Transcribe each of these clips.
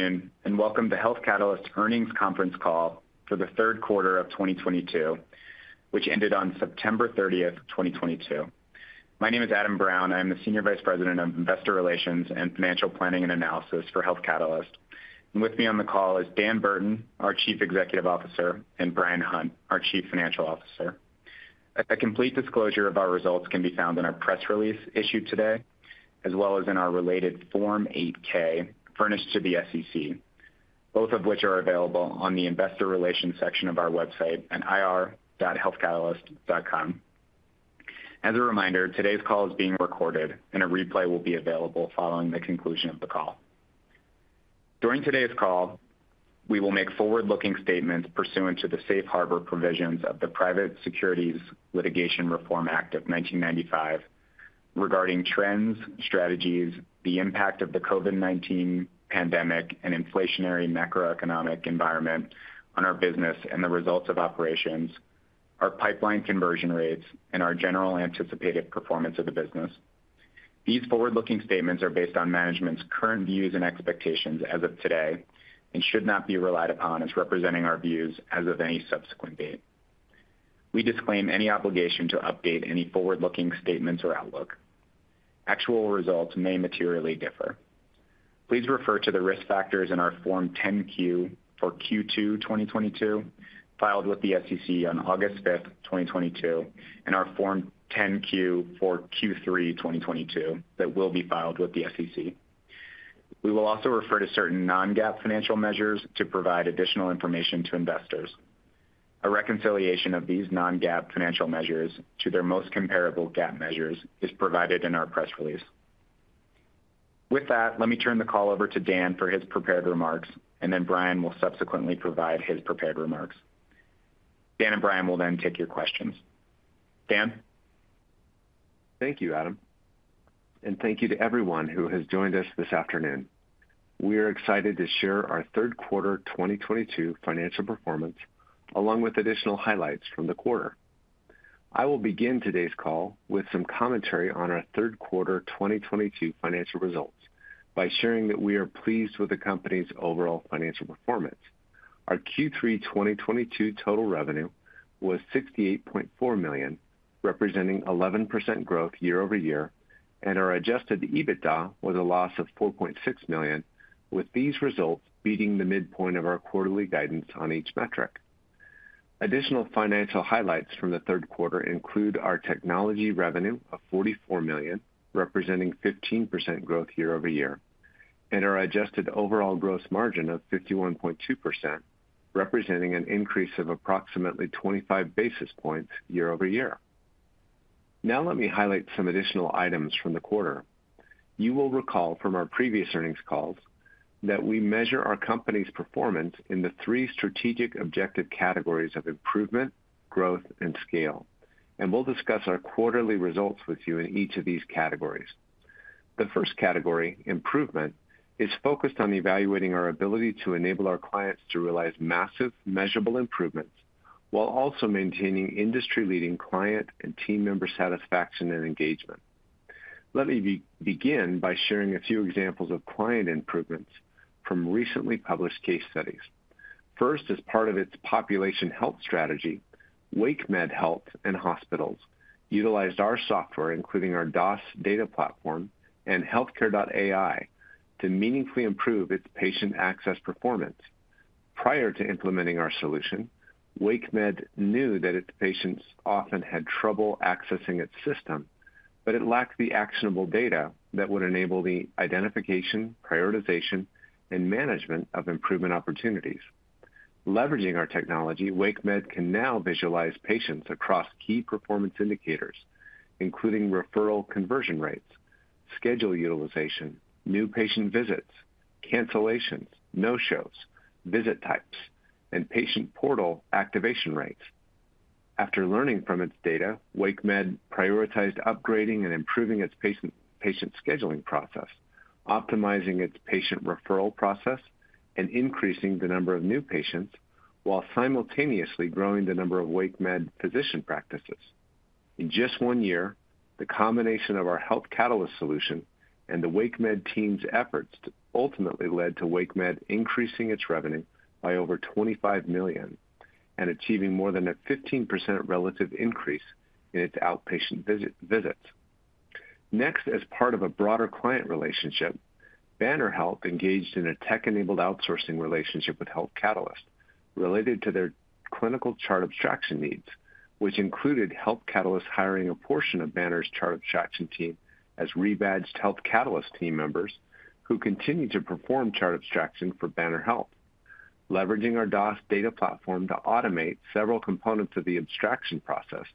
Good afternoon, and welcome to Health Catalyst Earnings Conference Call for the third quarter of 2022, which ended on September 30, 2022. My name is Adam Brown. I am the Senior Vice President of Investor Relations and Financial Planning and Analysis for Health Catalyst. With me on the call is Dan Burton, our Chief Executive Officer, and Bryan Hunt, our Chief Financial Officer. A complete disclosure of our results can be found in our press release issued today, as well as in our related Form 8-K furnished to the SEC, both of which are available on the investor relations section of our website at ir.healthcatalyst.com. As a reminder, today's call is being recorded and a replay will be available following the conclusion of the call. During today's call, we will make forward-looking statements pursuant to the safe harbor provisions of the Private Securities Litigation Reform Act of 1995 regarding trends, strategies, the impact of the COVID-19 pandemic and inflationary macroeconomic environment on our business and the results of operations, our pipeline conversion rates, and our general anticipated performance of the business. These forward-looking statements are based on management's current views and expectations as of today and should not be relied upon as representing our views as of any subsequent date. We disclaim any obligation to update any forward-looking statements or outlook. Actual results may materially differ. Please refer to the risk factors in our Form 10-Q for Q2 2022, filed with the SEC on August 5, 2022, and our Form 10-Q for Q3 2022 that will be filed with the SEC. We will also refer to certain non-GAAP financial measures to provide additional information to investors. A reconciliation of these non-GAAP financial measures to their most comparable GAAP measures is provided in our press release. With that, let me turn the call over to Dan for his prepared remarks, and then Bryan will subsequently provide his prepared remarks. Dan and Bryan will then take your questions. Dan? Thank you, Adam, and thank you to everyone who has joined us this afternoon. We are excited to share our third quarter 2022 financial performance, along with additional highlights from the quarter. I will begin today's call with some commentary on our third quarter 2022 financial results by sharing that we are pleased with the company's overall financial performance. Our Q3 2022 total revenue was $68.4 million, representing 11% growth year-over-year, and our adjusted EBITDA was a loss of $4.6 million, with these results beating the midpoint of our quarterly guidance on each metric. Additional financial highlights from the third quarter include our technology revenue of $44 million, representing 15% growth year-over-year, and our adjusted overall gross margin of 51.2%, representing an increase of approximately 25 basis points year-over-year. Now let me highlight some additional items from the quarter. You will recall from our previous earnings calls that we measure our company's performance in the three strategic objective categories of improvement, growth, and scale, and we'll discuss our quarterly results with you in each of these categories. The first category, improvement, is focused on evaluating our ability to enable our clients to realize massive measurable improvements while also maintaining industry-leading client and team member satisfaction and engagement. Let me begin by sharing a few examples of client improvements from recently published case studies. First, as part of its population health strategy, WakeMed Health & Hospitals utilized our software, including our DOS data platform and Healthcare.AI, to meaningfully improve its patient access performance. Prior to implementing our solution, WakeMed knew that its patients often had trouble accessing its system, but it lacked the actionable data that would enable the identification, prioritization, and management of improvement opportunities. Leveraging our technology, WakeMed can now visualize patients across key performance indicators, including referral conversion rates, schedule utilization, new patient visits, cancellations, no-shows, visit types, and patient portal activation rates. After learning from its data, WakeMed prioritized upgrading and improving its patient scheduling process, optimizing its patient referral process, and increasing the number of new patients while simultaneously growing the number of WakeMed physician practices. In just one year, the combination of our Health Catalyst solution and the WakeMed team's efforts ultimately led to WakeMed increasing its revenue by over $25 million and achieving more than a 15% relative increase in its outpatient visits. Next, as part of a broader client relationship, Banner Health engaged in a tech-enabled outsourcing relationship with Health Catalyst related to their clinical chart abstraction needs, which included Health Catalyst hiring a portion of Banner's chart abstraction team as rebadged Health Catalyst team members who continue to perform chart abstraction for Banner Health. Leveraging our DOS data platform to automate several components of the abstraction process,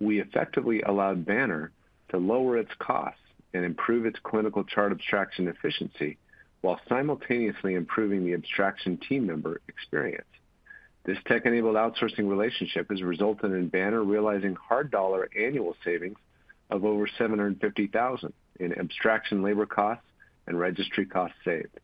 we effectively allowed Banner to lower its costs and improve its clinical chart abstraction efficiency while simultaneously improving the abstraction team member experience. This tech-enabled outsourcing relationship has resulted in Banner realizing hard dollar annual savings of over $750,000 in abstraction labor costs and registry costs saved.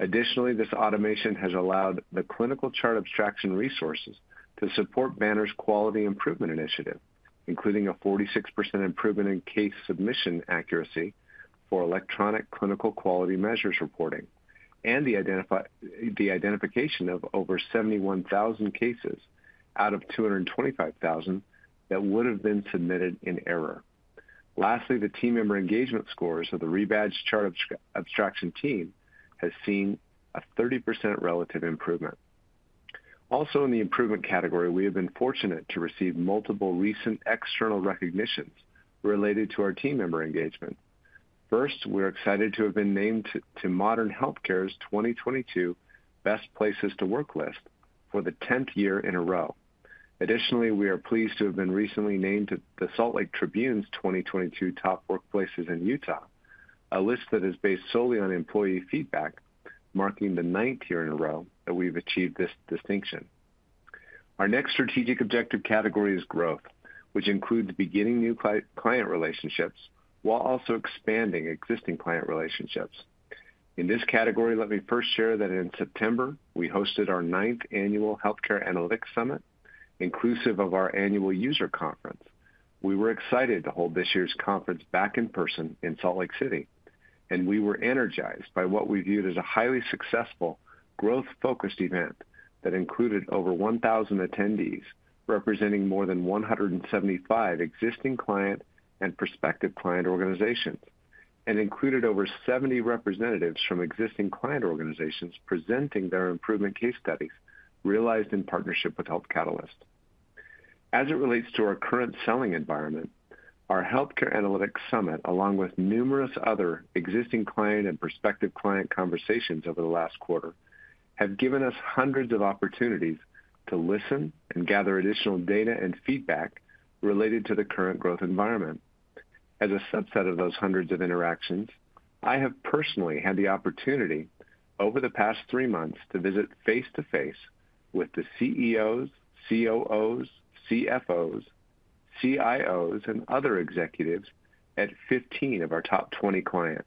Additionally, this automation has allowed the clinical chart abstraction resources to support Banner's quality improvement initiative. Including a 46% improvement in case submission accuracy for electronic clinical quality measures reporting and the identification of over 71,000 cases out of 225,000 that would have been submitted in error. Lastly, the team member engagement scores of the rebadge chart abstraction team has seen a 30% relative improvement. Also in the improvement category, we have been fortunate to receive multiple recent external recognitions related to our team member engagement. First, we're excited to have been named to Modern Healthcare's 2022 best places to work list for the 10th year in a row. Additionally, we are pleased to have been recently named to The Salt Lake Tribune's 2022 Top Workplaces in Utah, a list that is based solely on employee feedback, marking the ninth year in a row that we've achieved this distinction. Our next strategic objective category is growth, which includes beginning new client relationships while also expanding existing client relationships. In this category, let me first share that in September, we hosted our ninth annual Healthcare Analytics Summit, inclusive of our annual user conference. We were excited to hold this year's conference back in person in Salt Lake City, and we were energized by what we viewed as a highly successful growth-focused event that included over 1,000 attendees representing more than 175 existing client and prospective client organizations and included over 70 representatives from existing client organizations presenting their improvement case studies realized in partnership with Health Catalyst. As it relates to our current selling environment, our Healthcare Analytics Summit, along with numerous other existing client and prospective client conversations over the last quarter, have given us hundreds of opportunities to listen and gather additional data and feedback related to the current growth environment. As a subset of those hundreds of interactions, I have personally had the opportunity over the past three months to visit face-to-face with the CEOs, COOs, CFOs, CIOs, and other executives at 15 of our top 20 clients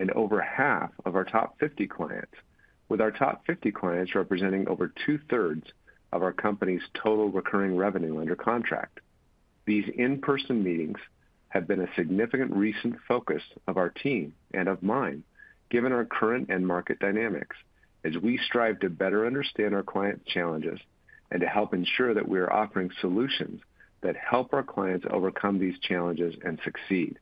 and over half of our top 50 clients, with our top 50 clients representing over two-thirds of our company's total recurring revenue under contract. These in-person meetings have been a significant recent focus of our team and of mine, given our current end market dynamics as we strive to better understand our client challenges and to help ensure that we are offering solutions that help our clients overcome these challenges and succeed.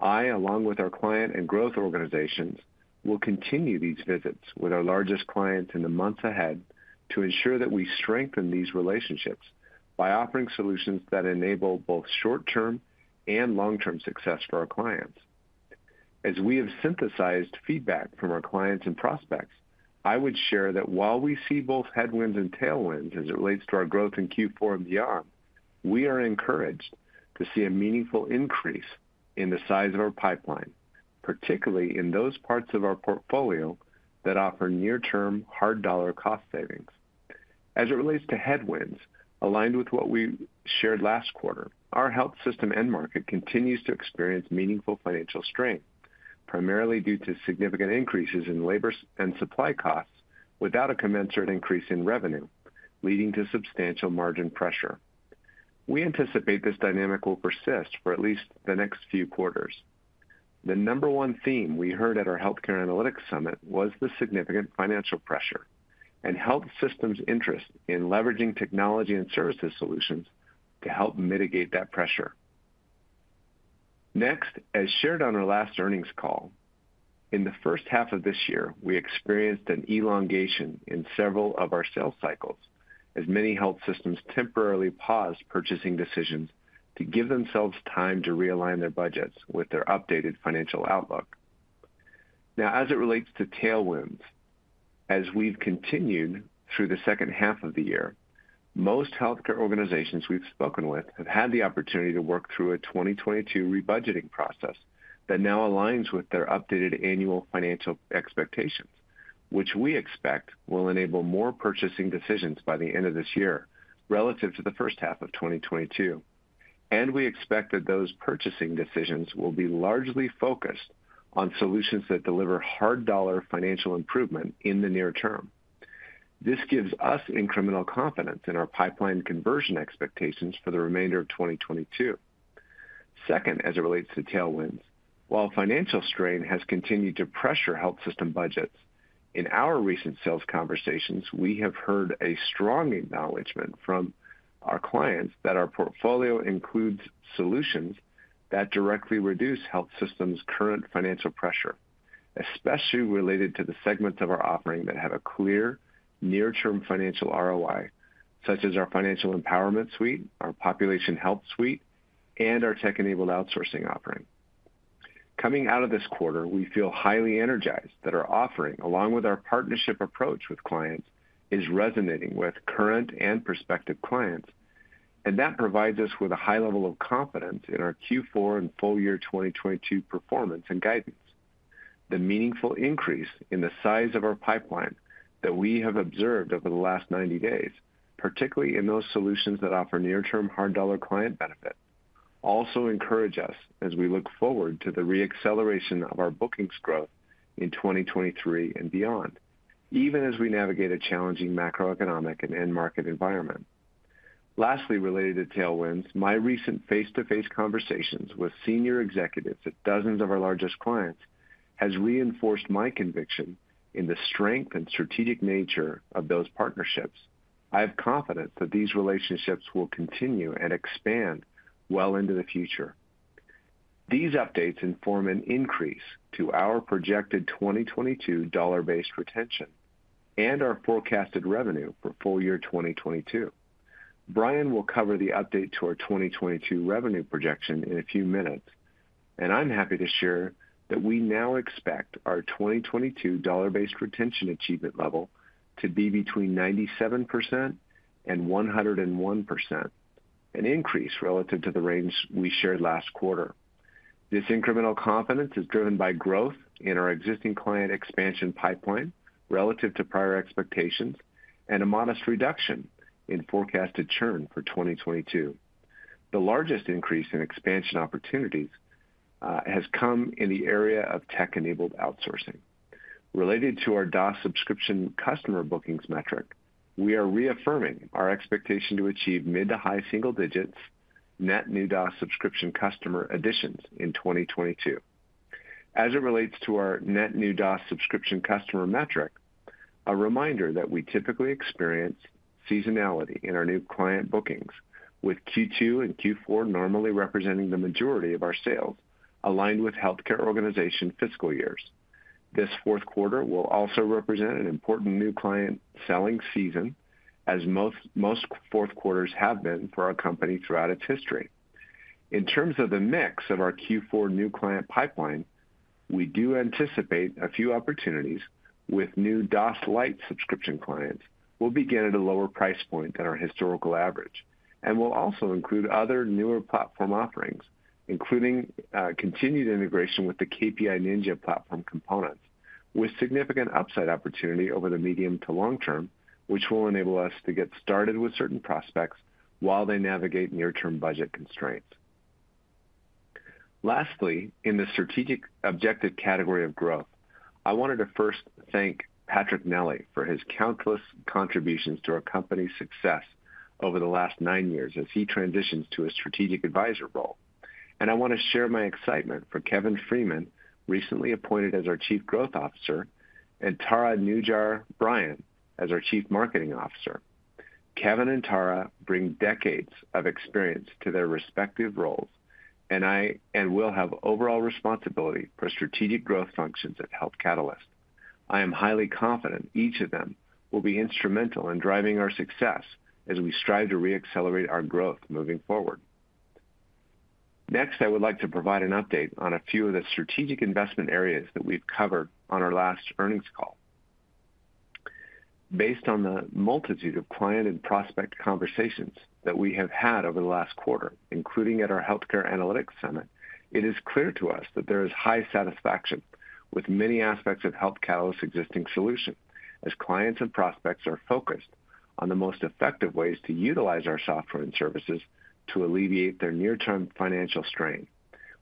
I, along with our client and growth organizations, will continue these visits with our largest clients in the months ahead to ensure that we strengthen these relationships by offering solutions that enable both short-term and long-term success for our clients. As we have synthesized feedback from our clients and prospects, I would share that while we see both headwinds and tailwinds as it relates to our growth in Q4 of the year, we are encouraged to see a meaningful increase in the size of our pipeline, particularly in those parts of our portfolio that offer near-term hard dollar cost savings. As it relates to headwinds, aligned with what we shared last quarter, our health system end market continues to experience meaningful financial strain, primarily due to significant increases in labor and supply costs without a commensurate increase in revenue, leading to substantial margin pressure. We anticipate this dynamic will persist for at least the next few quarters. The number one theme we heard at our Healthcare Analytics Summit was the significant financial pressure and health systems' interest in leveraging technology and services solutions to help mitigate that pressure. Next, as shared on our last earnings call, in the first half of this year, we experienced an elongation in several of our sales cycles as many health systems temporarily paused purchasing decisions to give themselves time to realign their budgets with their updated financial outlook. Now as it relates to tailwinds, as we've continued through the second half of the year, most healthcare organizations we've spoken with have had the opportunity to work through a 2022 rebudgeting process that now aligns with their updated annual financial expectations, which we expect will enable more purchasing decisions by the end of this year relative to the first half of 2022. We expect that those purchasing decisions will be largely focused on solutions that deliver hard dollar financial improvement in the near term. This gives us incremental confidence in our pipeline conversion expectations for the remainder of 2022. Second, as it relates to tailwinds, while financial strain has continued to pressure health system budgets, in our recent sales conversations, we have heard a strong acknowledgment from our clients that our portfolio includes solutions that directly reduce health systems' current financial pressure, especially related to the segments of our offering that have a clear near-term financial ROI, such as our Financial Empowerment Suite, our Population Health Suite, and our tech-enabled outsourcing offering. Coming out of this quarter, we feel highly energized that our offering, along with our partnership approach with clients, is resonating with current and prospective clients, and that provides us with a high level of confidence in our Q4 and full year 2022 performance and guidance. The meaningful increase in the size of our pipeline that we have observed over the last 90 days, particularly in those solutions that offer near-term hard dollar client benefit. Also encourage us as we look forward to the re-acceleration of our bookings growth in 2023 and beyond, even as we navigate a challenging macroeconomic and end market environment. Lastly, related to tailwinds, my recent face-to-face conversations with senior executives at dozens of our largest clients has reinforced my conviction in the strength and strategic nature of those partnerships. I have confidence that these relationships will continue and expand well into the future. These updates inform an increase to our projected 2022 dollar-based retention and our forecasted revenue for full year 2022. Bryan will cover the update to our 2022 revenue projection in a few minutes, and I'm happy to share that we now expect our 2022 dollar-based retention achievement level to be between 97% and 101%, an increase relative to the range we shared last quarter. This incremental confidence is driven by growth in our existing client expansion pipeline relative to prior expectations and a modest reduction in forecasted churn for 2022. The largest increase in expansion opportunities has come in the area of tech-enabled outsourcing. Related to our DaaS subscription customer bookings metric, we are reaffirming our expectation to achieve mid to high single digits net new DaaS subscription customer additions in 2022. As it relates to our net new DaaS subscription customer metric, a reminder that we typically experience seasonality in our new client bookings, with Q2 and Q4 normally representing the majority of our sales aligned with healthcare organization fiscal years. This fourth quarter will also represent an important new client selling season as most fourth quarters have been for our company throughout its history. In terms of the mix of our Q4 new client pipeline, we do anticipate a few opportunities with new DaaS Lite subscription clients will begin at a lower price point than our historical average and will also include other newer platform offerings, including continued integration with the KPI Ninja platform components, with significant upside opportunity over the medium to long term, which will enable us to get started with certain prospects while they navigate near-term budget constraints. Lastly, in the strategic objective category of growth, I wanted to first thank Patrick Nelli for his countless contributions to our company's success over the last nine years as he transitions to a strategic advisor role. I want to share my excitement for Kevin Freeman, recently appointed as our Chief Growth Officer, and Tarah Neujahr Bryan as our Chief Marketing Officer. Kevin and Tarah bring decades of experience to their respective roles and will have overall responsibility for strategic growth functions at Health Catalyst. I am highly confident each of them will be instrumental in driving our success as we strive to re-accelerate our growth moving forward. Next, I would like to provide an update on a few of the strategic investment areas that we've covered on our last earnings call. Based on the multitude of client and prospect conversations that we have had over the last quarter, including at our Healthcare Analytics Summit, it is clear to us that there is high satisfaction with many aspects of Health Catalyst's existing solution, as clients and prospects are focused on the most effective ways to utilize our software and services to alleviate their near-term financial strain.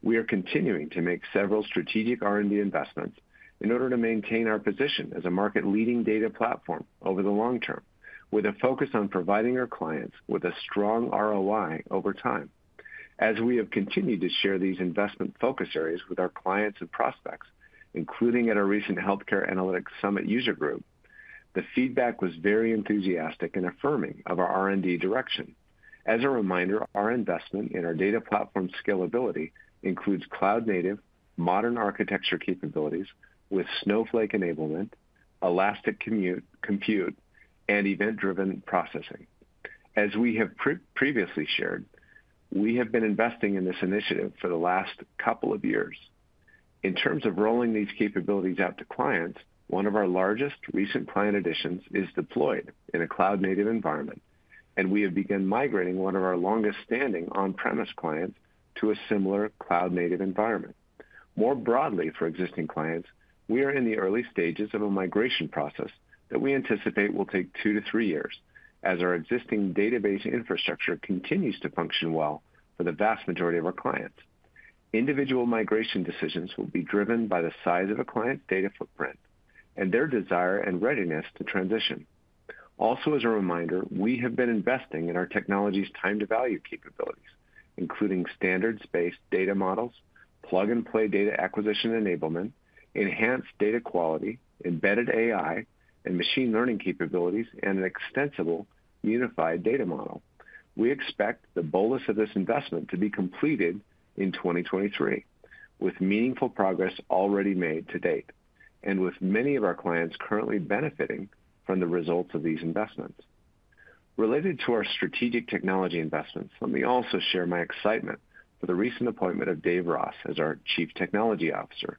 We are continuing to make several strategic R&D investments in order to maintain our position as a market-leading data platform over the long term, with a focus on providing our clients with a strong ROI over time. As we have continued to share these investment focus areas with our clients and prospects, including at our recent Healthcare Analytics Summit user group, the feedback was very enthusiastic and affirming of our R&D direction. As a reminder, our investment in our data platform scalability includes cloud-native modern architecture capabilities with Snowflake enablement, elastic compute, and event-driven processing. As we have previously shared, we have been investing in this initiative for the last couple of years. In terms of rolling these capabilities out to clients, one of our largest recent client additions is deployed in a cloud-native environment, and we have begun migrating one of our longest-standing on-premise clients to a similar cloud-native environment. More broadly for existing clients, we are in the early stages of a migration process that we anticipate will take 2-3 years as our existing database infrastructure continues to function well for the vast majority of our clients. Individual migration decisions will be driven by the size of a client's data footprint and their desire and readiness to transition. Also, as a reminder, we have been investing in our technology's time-to-value capabilities, including standards-based data models, plug-and-play data acquisition enablement, enhanced data quality, embedded AI and machine learning capabilities, and an extensible unified data model. We expect the bolus of this investment to be completed in 2023, with meaningful progress already made to date, and with many of our clients currently benefiting from the results of these investments. Related to our strategic technology investments, let me also share my excitement for the recent appointment of Dave Ross as our Chief Technology Officer.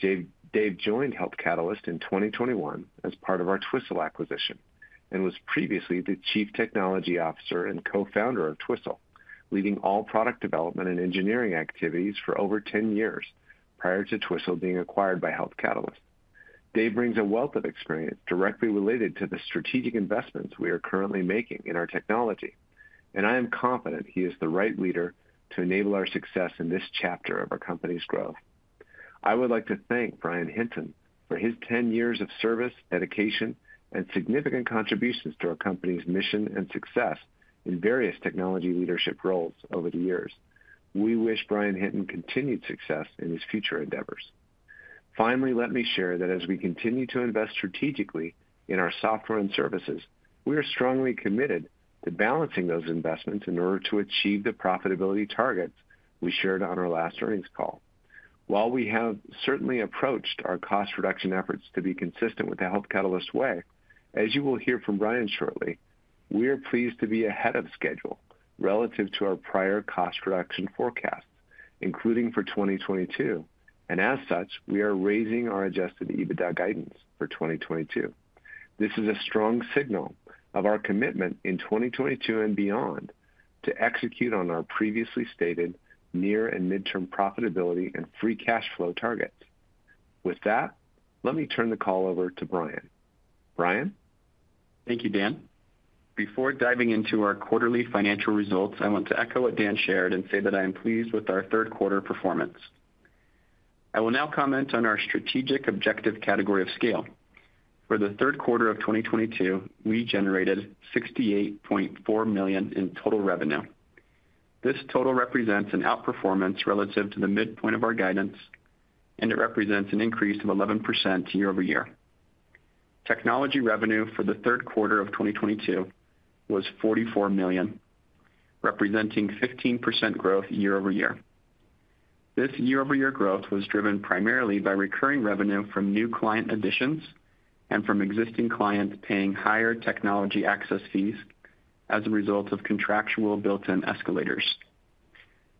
Dave joined Health Catalyst in 2021 as part of our Twistle acquisition and was previously the chief technology officer and co-founder of Twistle, leading all product development and engineering activities for over 10 years prior to Twistle being acquired by Health Catalyst. Dave brings a wealth of experience directly related to the strategic investments we are currently making in our technology, and I am confident he is the right leader to enable our success in this chapter of our company's growth. I would like to thank Bryan Hinton for his 10 years of service, dedication, and significant contributions to our company's mission and success in various technology leadership roles over the years. We wish Bryan Hinton continued success in his future endeavors. Finally, let me share that as we continue to invest strategically in our software and services, we are strongly committed to balancing those investments in order to achieve the profitability targets we shared on our last earnings call. While we have certainly approached our cost reduction efforts to be consistent with the Health Catalyst way, as you will hear from Bryan shortly, we are pleased to be ahead of schedule relative to our prior cost reduction forecasts, including for 2022. As such, we are raising our adjusted EBITDA guidance for 2022. This is a strong signal of our commitment in 2022 and beyond to execute on our previously stated near and midterm profitability and free cash flow targets. With that, let me turn the call over to Bryan. Bryan? Thank you, Dan. Before diving into our quarterly financial results, I want to echo what Dan shared and say that I am pleased with our third quarter performance. I will now comment on our strategic objective category of scale. For the third quarter of 2022, we generated $68.4 million in total revenue. This total represents an outperformance relative to the midpoint of our guidance, and it represents an increase of 11% year-over-year. Technology revenue for the third quarter of 2022 was $44 million, representing 15% growth year-over-year. This year-over-year growth was driven primarily by recurring revenue from new client additions and from existing clients paying higher technology access fees as a result of contractual built-in escalators.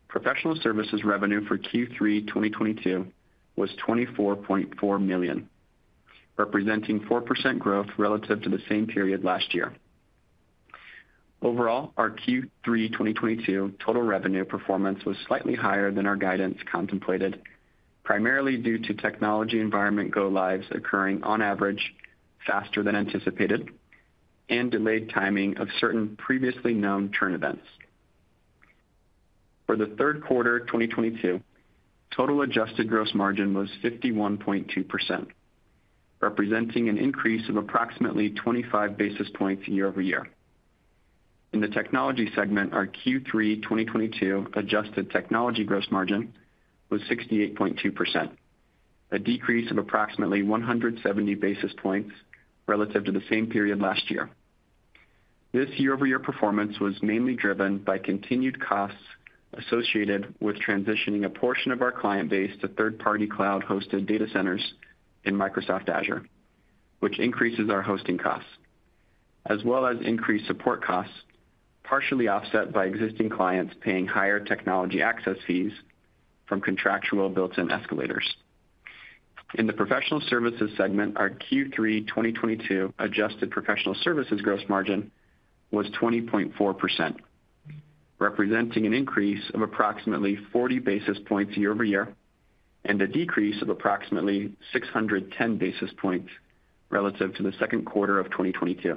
Professional services revenue for Q3 2022 was $24.4 million, representing 4% growth relative to the same period last year. Overall, our Q3 2022 total revenue performance was slightly higher than our guidance contemplated, primarily due to technology environment go lives occurring on average faster than anticipated and delayed timing of certain previously known churn events. For the third quarter 2022, total adjusted gross margin was 51.2%, representing an increase of approximately 25 basis points year-over-year. In the technology segment, our Q3 2022 adjusted technology gross margin was 68.2%, a decrease of approximately 170 basis points relative to the same period last year. This year-over-year performance was mainly driven by continued costs associated with transitioning a portion of our client base to third-party cloud hosted data centers in Microsoft Azure, which increases our hosting costs as well as increased support costs, partially offset by existing clients paying higher technology access fees from contractual built-in escalators. In the professional services segment, our Q3 2022 adjusted professional services gross margin was 20.4%, representing an increase of approximately 40 basis points year-over-year and a decrease of approximately 610 basis points relative to the second quarter of 2022.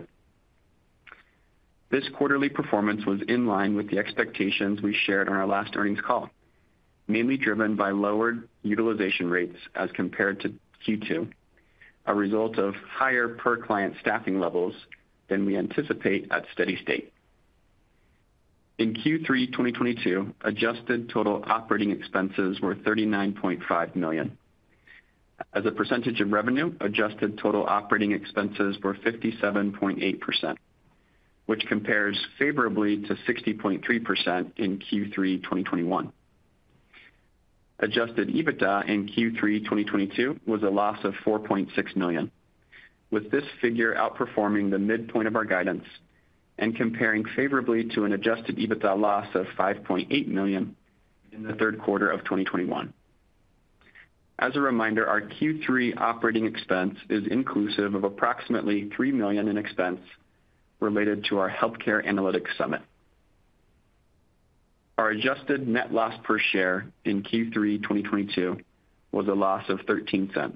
This quarterly performance was in line with the expectations we shared on our last earnings call, mainly driven by lowered utilization rates as compared to Q2, a result of higher per client staffing levels than we anticipate at steady state. In Q3 2022, adjusted total operating expenses were $39.5 million. As a percentage of revenue, adjusted total operating expenses were 57.8%, which compares favorably to 60.3% in Q3 2021. Adjusted EBITDA in Q3 2022 was a loss of $4.6 million, with this figure outperforming the midpoint of our guidance and comparing favorably to an adjusted EBITDA loss of $5.8 million in the third quarter of 2021. As a reminder, our Q3 operating expense is inclusive of approximately $3 million in expense related to our Healthcare Analytics Summit. Our adjusted net loss per share in Q3 2022 was a loss of $0.13.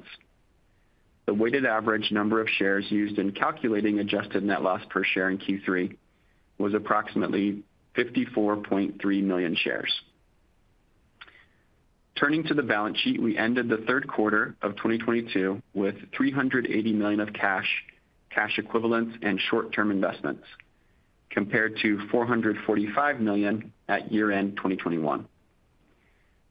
The weighted average number of shares used in calculating adjusted net loss per share in Q3 was approximately 54.3 million shares. Turning to the balance sheet, we ended the third quarter of 2022 with $380 million of cash equivalents and short-term investments, compared to $445 million at year-end 2021.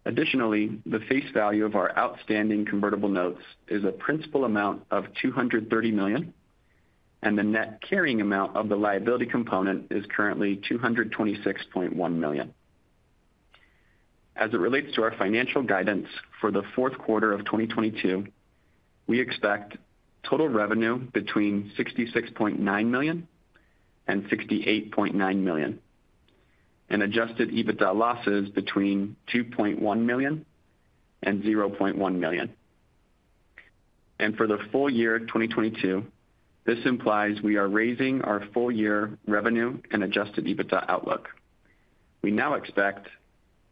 Additionally, the face value of our outstanding convertible notes is a principal amount of $230 million, and the net carrying amount of the liability component is currently $226.1 million. As it relates to our financial guidance for the fourth quarter of 2022, we expect total revenue between $66.9-$68.9 million and adjusted EBITDA losses between $2.1-$0.1 million. For the full year 2022, this implies we are raising our full year revenue and adjusted EBITDA outlook. We now expect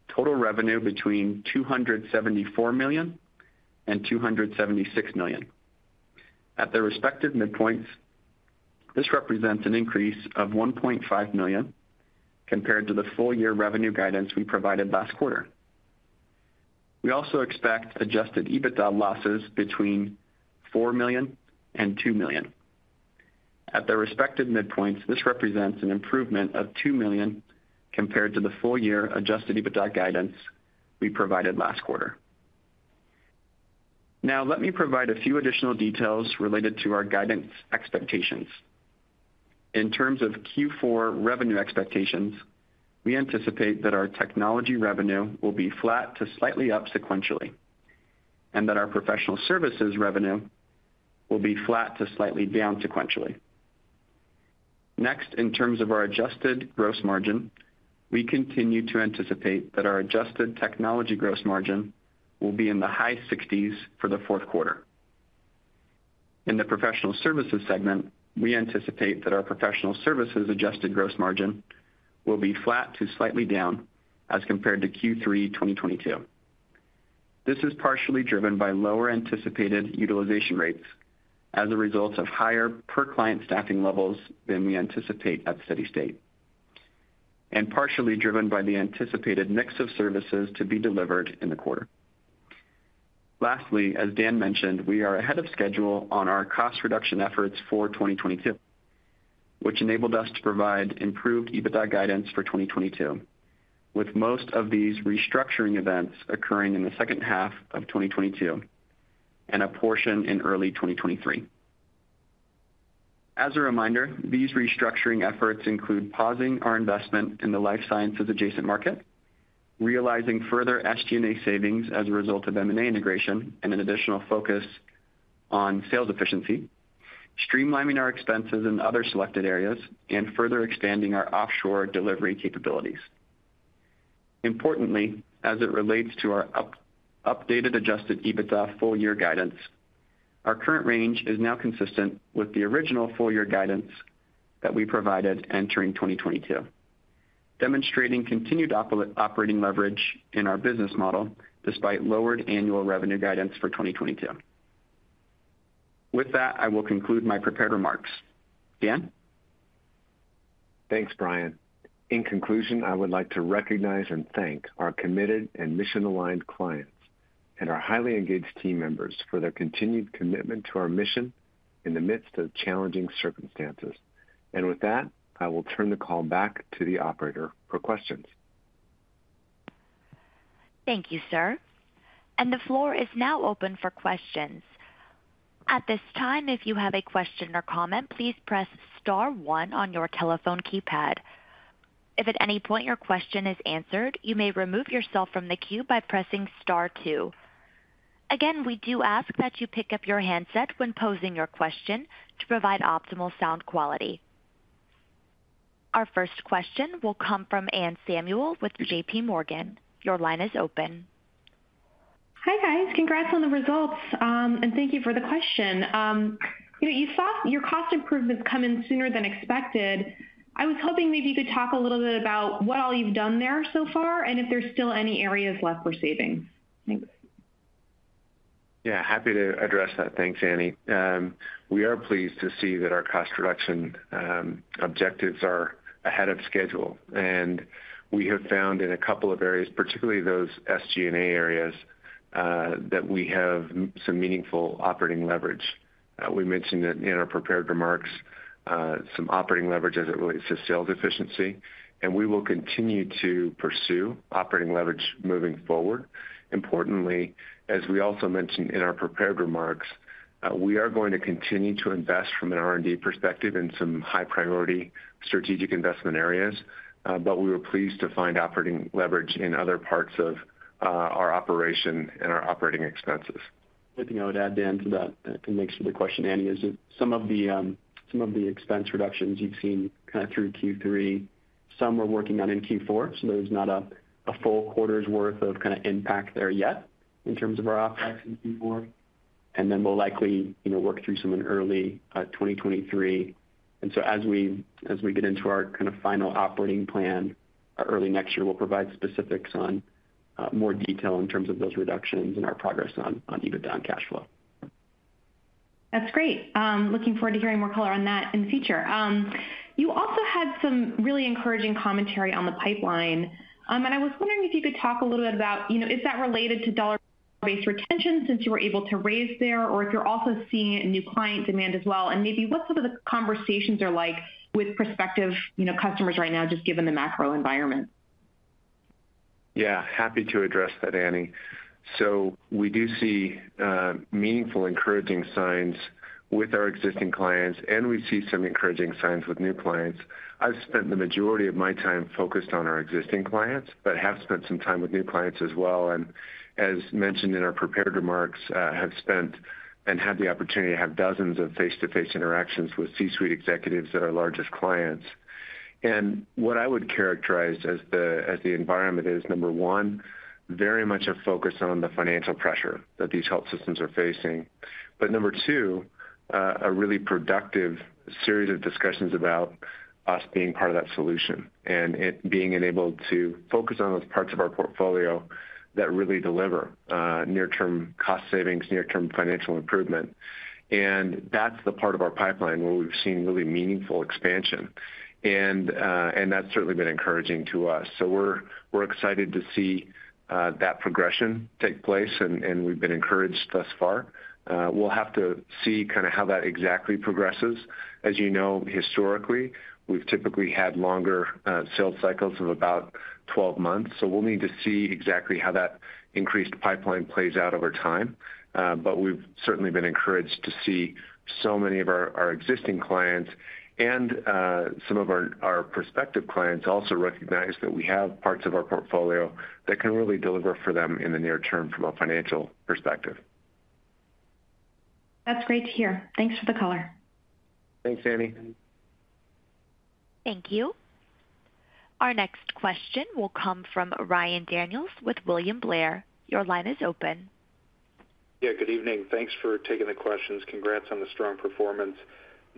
total revenue between $274-$276 million. At their respective midpoints, this represents an increase of $1.5 million compared to the full year revenue guidance we provided last quarter. We also expect adjusted EBITDA losses between $4-$2 million. At their respective midpoints, this represents an improvement of $2 million compared to the full year adjusted EBITDA guidance we provided last quarter. Now, let me provide a few additional details related to our guidance expectations. In terms of Q4 revenue expectations, we anticipate that our technology revenue will be flat to slightly up sequentially, and that our professional services revenue will be flat to slightly down sequentially. Next, in terms of our adjusted gross margin, we continue to anticipate that our adjusted technology gross margin will be in the high sixties for the fourth quarter. In the professional services segment, we anticipate that our professional services adjusted gross margin will be flat to slightly down as compared to Q3 2022. This is partially driven by lower anticipated utilization rates as a result of higher per-client staffing levels than we anticipate at steady-state and partially driven by the anticipated mix of services to be delivered in the quarter. Lastly, as Dan mentioned, we are ahead of schedule on our cost reduction efforts for 2022, which enabled us to provide improved EBITDA guidance for 2022, with most of these restructuring events occurring in the second half of 2022 and a portion in early 2023. As a reminder, these restructuring efforts include pausing our investment in the life sciences adjacent market, realizing further SG&A savings as a result of M&A integration and an additional focus on sales efficiency, streamlining our expenses in other selected areas, and further expanding our offshore delivery capabilities. Importantly, as it relates to our updated adjusted EBITDA full year guidance, our current range is now consistent with the original full year guidance that we provided entering 2022, demonstrating continued operating leverage in our business model despite lowered annual revenue guidance for 2022. With that, I will conclude my prepared remarks. Dan? Thanks, Bryan. In conclusion, I would like to recognize and thank our committed and mission-aligned clients and our highly engaged team members for their continued commitment to our mission in the midst of challenging circumstances. With that, I will turn the call back to the operator for questions. Thank you, sir. The floor is now open for questions. At this time, if you have a question or comment, please press star one on your telephone keypad. If at any point your question is answered, you may remove yourself from the queue by pressing star two. Again, we do ask that you pick up your handset when posing your question to provide optimal sound quality. Our first question will come from Anne Samuel with JP Morgan. Your line is open. Hi, guys. Congrats on the results, and thank you for the question. You know, you saw your cost improvements come in sooner than expected. I was hoping maybe you could talk a little bit about what all you've done there so far and if there's still any areas left for savings. Thanks. Yeah, happy to address that. Thanks, Annie. We are pleased to see that our cost reduction objectives are ahead of schedule, and we have found in a couple of areas, particularly those SG&A areas, that we have some meaningful operating leverage. We mentioned that in our prepared remarks, some operating leverage as it relates to sales efficiency, and we will continue to pursue operating leverage moving forward. Importantly, as we also mentioned in our prepared remarks, we are going to continue to invest from an R&D perspective in some high priority strategic investment areas, but we were pleased to find operating leverage in other parts of our operation and our operating expenses. Good thing I would add, Dan, to that, to make sure the question, Annie, is that some of the expense reductions you've seen kinda through Q3, some we're working on in Q4, so there's not a full quarter's worth of kinda impact there yet in terms of our OpEx in Q4. We'll likely, you know, work through some in early 2023. As we get into our kind of final operating plan, early next year, we'll provide specifics on more detail in terms of those reductions and our progress on EBITDA and cash flow. That's great. Looking forward to hearing more color on that in the future. You also had some really encouraging commentary on the pipeline. I was wondering if you could talk a little bit about, you know, is that related to dollar-based retention since you were able to raise there, or if you're also seeing new client demand as well? Maybe what some of the conversations are like with prospective, you know, customers right now just given the macro environment? Yeah, happy to address that, Annie. We do see meaningful, encouraging signs with our existing clients, and we see some encouraging signs with new clients. I've spent the majority of my time focused on our existing clients, but have spent some time with new clients as well. As mentioned in our prepared remarks, have spent and had the opportunity to have dozens of face-to-face interactions with C-suite executives at our largest clients. What I would characterize as the environment is, number one, very much a focus on the financial pressure that these health systems are facing. Number two, a really productive series of discussions about us being part of that solution and it being enabled to focus on those parts of our portfolio that really deliver near-term cost savings, near-term financial improvement. That's the part of our pipeline where we've seen really meaningful expansion. That's certainly been encouraging to us. We're excited to see that progression take place, and we've been encouraged thus far. We'll have to see kind of how that exactly progresses. As you know, historically, we've typically had longer sales cycles of about 12 months. We'll need to see exactly how that increased pipeline plays out over time. We've certainly been encouraged to see so many of our existing clients and some of our prospective clients also recognize that we have parts of our portfolio that can really deliver for them in the near term from a financial perspective. That's great to hear. Thanks for the color. Thanks, Annie. Thank you. Our next question will come from Ryan Daniels with William Blair. Your line is open. Yeah, good evening. Thanks for taking the questions. Congrats on the strong performance.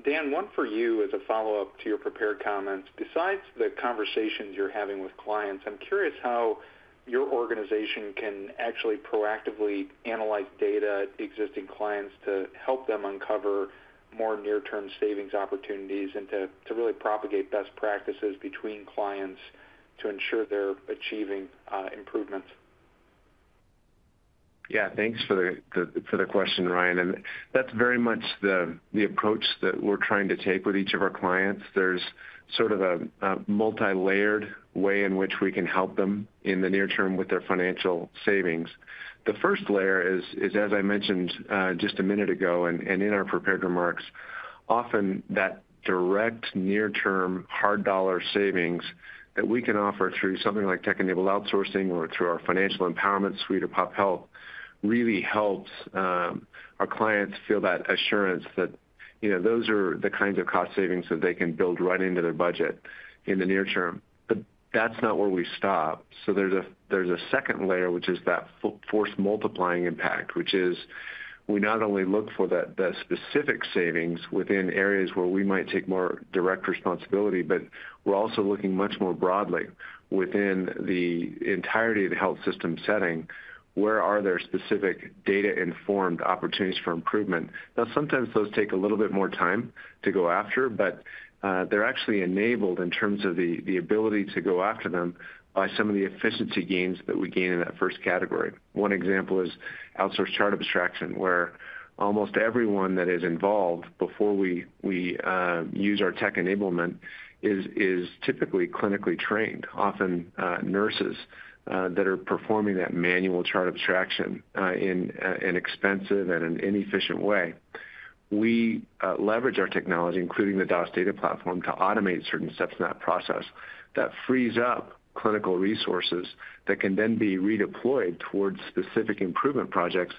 Dan, one for you as a follow-up to your prepared comments. Besides the conversations you're having with clients, I'm curious how your organization can actually proactively analyze data existing clients to help them uncover more near-term savings opportunities and to really propagate best practices between clients to ensure they're achieving improvements. Yeah, thanks for the question, Ryan. That's very much the approach that we're trying to take with each of our clients. There's sort of a multilayered way in which we can help them in the near term with their financial savings. The first layer is, as I mentioned, just a minute ago and in our prepared remarks, often that direct near term hard dollar savings that we can offer through something like tech-enabled outsourcing or through our Financial Empowerment Suite of pop health, really helps our clients feel that assurance that, you know, those are the kinds of cost savings that they can build right into their budget in the near term. That's not where we stop. There's a second layer, which is that force-multiplying impact, which is we not only look for the specific savings within areas where we might take more direct responsibility, but we're also looking much more broadly within the entirety of the health system setting, where are there specific data-informed opportunities for improvement. Now, sometimes those take a little bit more time to go after, but they're actually enabled in terms of the ability to go after them by some of the efficiency gains that we gain in that first category. One example is outsourced chart abstraction, where almost everyone that is involved before we use our tech enablement is typically clinically trained, often nurses that are performing that manual chart abstraction in an expensive and an inefficient way. We leverage our technology, including the DOS data platform, to automate certain steps in that process. That frees up clinical resources that can then be redeployed towards specific improvement projects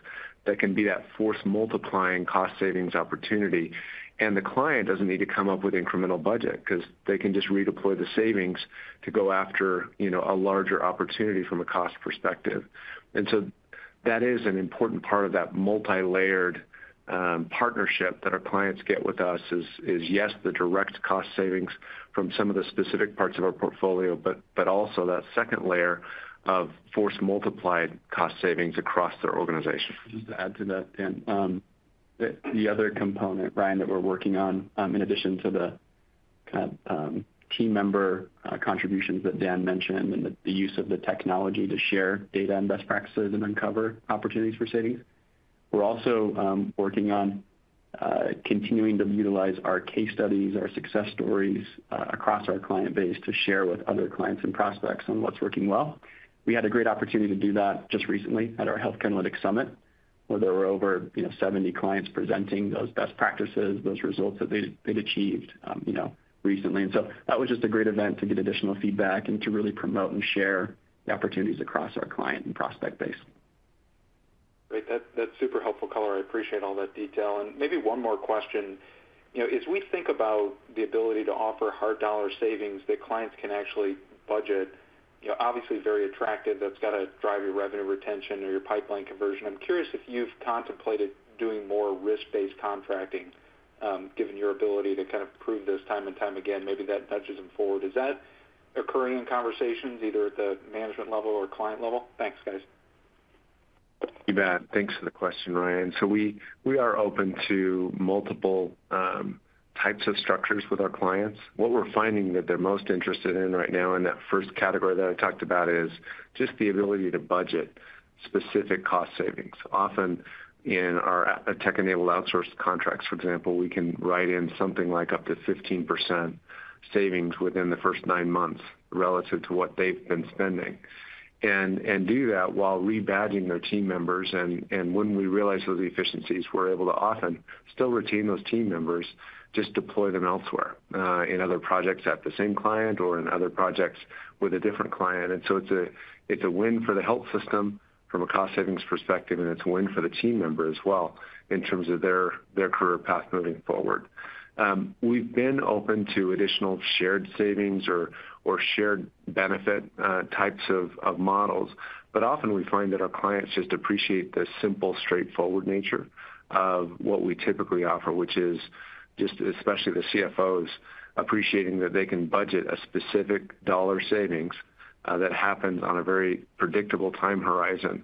that can be the force multiplying cost savings opportunity. The client doesn't need to come up with incremental budget because they can just redeploy the savings to go after, you know, a larger opportunity from a cost perspective. That is an important part of that multilayered partnership that our clients get with us is yes, the direct cost savings from some of the specific parts of our portfolio, but also that second layer of force multiplied cost savings across their organization. Just to add to that, Dan, the other component, Ryan, that we're working on, in addition to the kind of team member contributions that Dan mentioned and the use of the technology to share data and best practices and uncover opportunities for savings. We're also working on continuing to utilize our case studies, our success stories, across our client base to share with other clients and prospects on what's working well. We had a great opportunity to do that just recently at our Healthcare Analytics Summit, where there were over, you know, 70 clients presenting those best practices, those results that they'd achieved, you know, recently. That was just a great event to get additional feedback and to really promote and share the opportunities across our client and prospect base. Great. That's super helpful color. I appreciate all that detail. Maybe one more question. You know, as we think about the ability to offer hard dollar savings that clients can actually budget, you know, obviously very attractive. That's got to drive your revenue retention or your pipeline conversion. I'm curious if you've contemplated doing more risk-based contracting, given your ability to kind of prove this time and time again, maybe that nudges them forward. Is that occurring in conversations either at the management level or client level? Thanks, guys. You bet. Thanks for the question, Ryan. We are open to multiple types of structures with our clients. What we're finding that they're most interested in right now in that first category that I talked about is just the ability to budget specific cost savings. Often in our a tech-enabled outsourced contracts, for example, we can write in something like up to 15% savings within the first nine months relative to what they've been spending. And do that while rebadging their team members and when we realize those efficiencies, we're able to often still retain those team members, just deploy them elsewhere in other projects at the same client or in other projects with a different client. It's a win for the health system from a cost savings perspective, and it's a win for the team member as well in terms of their career path moving forward. We've been open to additional shared savings or shared benefit types of models. But often we find that our clients just appreciate the simple, straightforward nature of what we typically offer, which is just especially the CFOs appreciating that they can budget a specific dollar savings that happens on a very predictable time horizon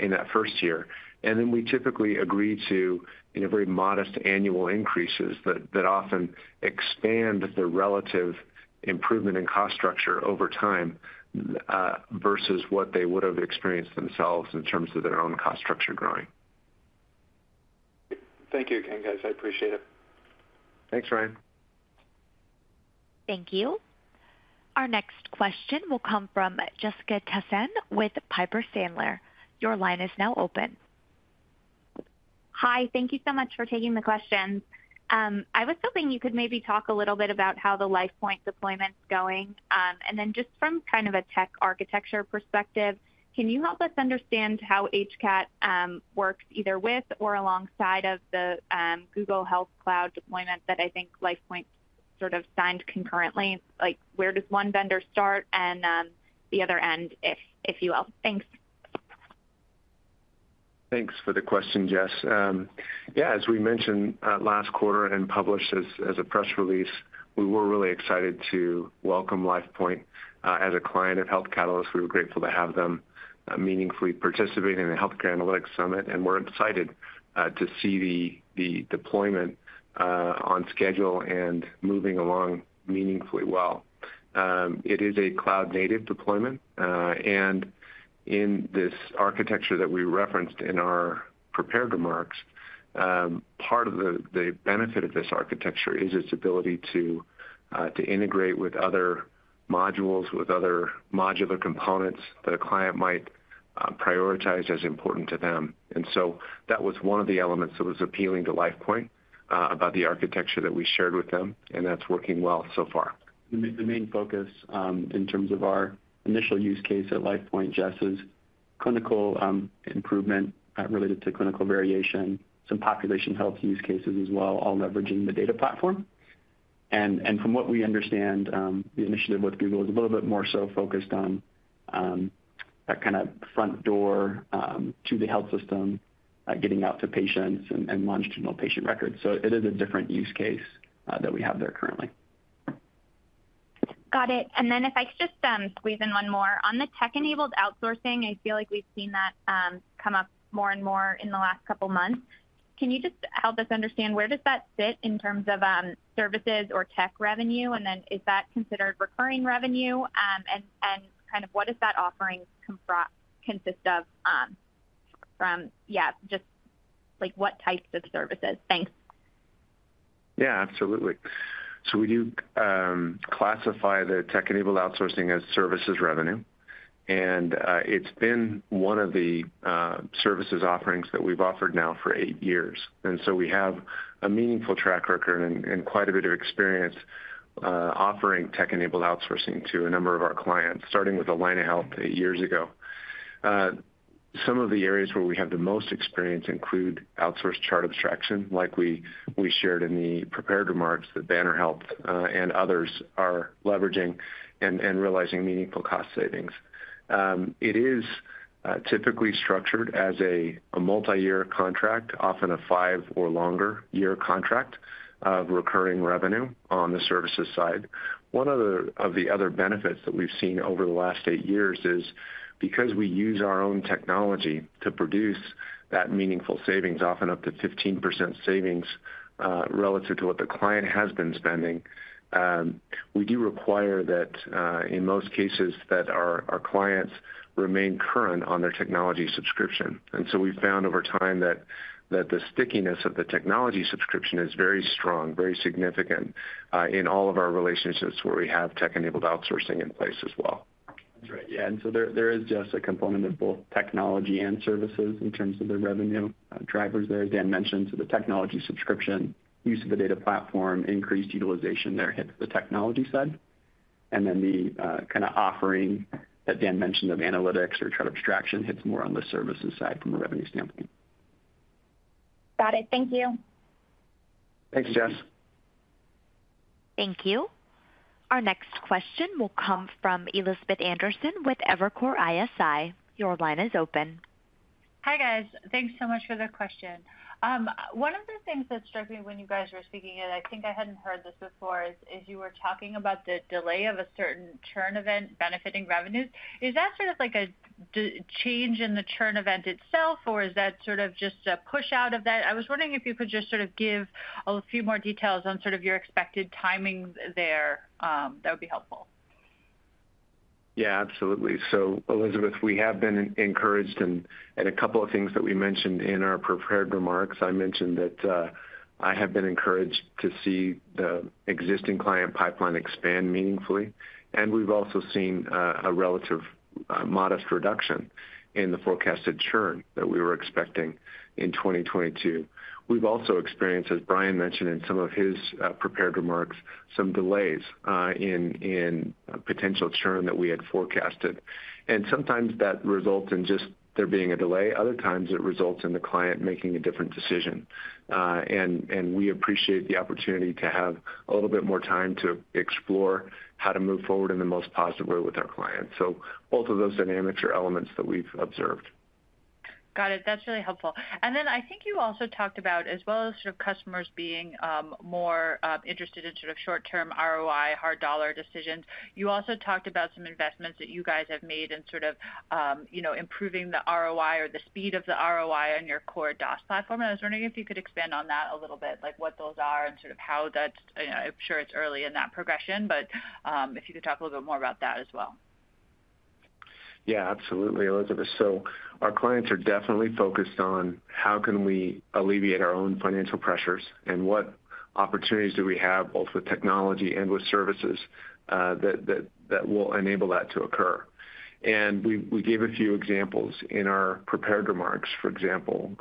in that first year. Then we typically agree to, you know, very modest annual increases that often expand the relative improvement in cost structure over time versus what they would have experienced themselves in terms of their own cost structure growing. Thank you again, guys. I appreciate it. Thanks, Ryan. Thank you. Our next question will come from Jessica Tassan with Piper Sandler. Your line is now open. Hi. Thank you so much for taking the questions. I was hoping you could maybe talk a little bit about how the Lifepoint deployment's going. Just from kind of a tech architecture perspective, can you help us understand how HCAT works either with or alongside of the Google Cloud deployment that I think Lifepoint sort of signed concurrently? Like, where does one vendor start and the other end if you will? Thanks. Thanks for the question, Jess. Yeah, as we mentioned last quarter and published as a press release, we were really excited to welcome LifePoint as a client of Health Catalyst. We were grateful to have them meaningfully participate in the Healthcare Analytics Summit, and we're excited to see the deployment on schedule and moving along meaningfully well. It is a cloud-native deployment, and in this architecture that we referenced in our prepared remarks, part of the benefit of this architecture is its ability to integrate with other modules, with other modular components that a client might prioritize as important to them. That was one of the elements that was appealing to LifePoint about the architecture that we shared with them, and that's working well so far. The main focus, in terms of our initial use case at Lifepoint, Jess, is clinical improvement related to clinical variation, some population health use cases as well, all leveraging the data platform. From what we understand, the initiative with Google is a little bit more so focused on that kind of front door to the health system, getting out to patients and longitudinal patient records. It is a different use case that we have there currently. Got it. If I could just squeeze in one more. On the tech-enabled outsourcing, I feel like we've seen that come up more and more in the last couple months. Can you just help us understand where does that fit in terms of services or tech revenue? Is that considered recurring revenue? And kind of what does that offering consist of, just like what types of services? Thanks. Yeah, absolutely. We do classify the tech-enabled outsourcing as services revenue, and it's been one of the services offerings that we've offered now for eight years. We have a meaningful track record and quite a bit of experience offering tech-enabled outsourcing to a number of our clients, starting with Allina Health eight years ago. Some of the areas where we have the most experience include outsourced chart abstraction, like we shared in the prepared remarks that Banner Health and others are leveraging and realizing meaningful cost savings. It is typically structured as a multiyear contract, often a five or longer year contract of recurring revenue on the services side. One of the other benefits that we've seen over the last eight years is because we use our own technology to produce that meaningful savings, often up to 15% savings, relative to what the client has been spending. We do require that, in most cases, our clients remain current on their technology subscription. We've found over time that the stickiness of the technology subscription is very strong, very significant, in all of our relationships where we have tech-enabled outsourcing in place as well. That's right. Yeah. There is just a component of both technology and services in terms of the revenue drivers there. Dan mentioned, so the technology subscription, use of the data platform, increased utilization there hits the technology side. The kind of offering that Dan mentioned of analytics or chart abstraction hits more on the services side from a revenue standpoint. Got it. Thank you. Thanks, Jess. Thank you. Our next question will come from Elizabeth Anderson with Evercore ISI. Your line is open. Hi, guys. Thanks so much for the question. One of the things that struck me when you guys were speaking, and I think I hadn't heard this before, is you were talking about the delay of a certain churn event benefiting revenues. Is that sort of like a change in the churn event itself, or is that sort of just a push out of that? I was wondering if you could just sort of give a few more details on sort of your expected timings there. That would be helpful. Yeah, absolutely. Elizabeth, we have been encouraged and a couple of things that we mentioned in our prepared remarks. I mentioned that I have been encouraged to see the existing client pipeline expand meaningfully. We've also seen a relative modest reduction in the forecasted churn that we were expecting in 2022. We've also experienced, as Brian mentioned in some of his prepared remarks, some delays in potential churn that we had forecasted. Sometimes that results in just there being a delay. Other times it results in the client making a different decision. We appreciate the opportunity to have a little bit more time to explore how to move forward in the most positive way with our clients. Both of those dynamics are elements that we've observed. Got it. That's really helpful. Then I think you also talked about, as well as sort of customers being more interested in sort of short-term ROI, hard dollar decisions. You also talked about some investments that you guys have made in sort of, you know, improving the ROI or the speed of the ROI on your core DOS platform. I was wondering if you could expand on that a little bit, like what those are and sort of how that's, you know, I'm sure it's early in that progression, but if you could talk a little bit more about that as well. Yeah, absolutely, Elizabeth. Our clients are definitely focused on how can we alleviate our own financial pressures and what opportunities do we have both with technology and with services, that will enable that to occur. We gave a few examples in our prepared remarks. For example,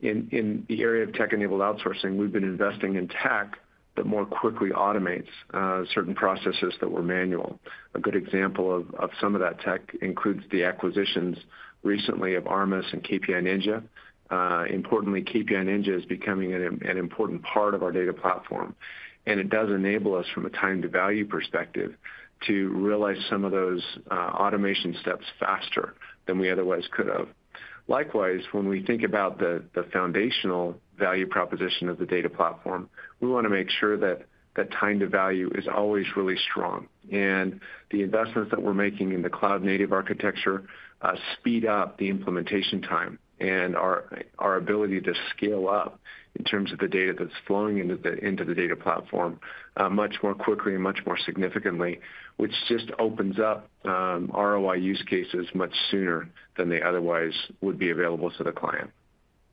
in the area of tech-enabled outsourcing, we've been investing in tech that more quickly automates certain processes that were manual. A good example of some of that tech includes the acquisitions recently of ARMUS and KPI Ninja. Importantly, KPI Ninja is becoming an important part of our data platform, and it does enable us from a time to value perspective to realize some of those automation steps faster than we otherwise could have. Likewise, when we think about the foundational value proposition of the data platform, we wanna make sure that that time to value is always really strong. The investments that we're making in the cloud-native architecture speed up the implementation time and our ability to scale up in terms of the data that's flowing into the data platform much more quickly and much more significantly, which just opens up ROI use cases much sooner than they otherwise would be available to the client.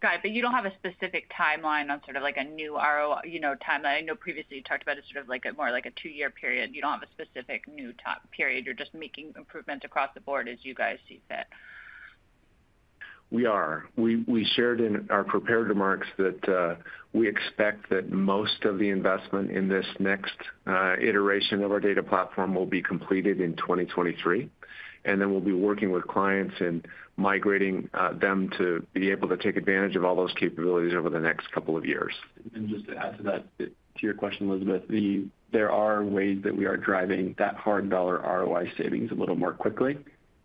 Got it. You don't have a specific timeline on sort of like a new, you know, timeline. I know previously you talked about it sort of like a more like a two-year period. You don't have a specific new top period. You're just making improvements across the board as you guys see fit. We shared in our prepared remarks that we expect that most of the investment in this next iteration of our data platform will be completed in 2023, and then we'll be working with clients and migrating them to be able to take advantage of all those capabilities over the next couple of years. Just to add to that, to your question, Elizabeth, there are ways that we are driving that hard dollar ROI savings a little more quickly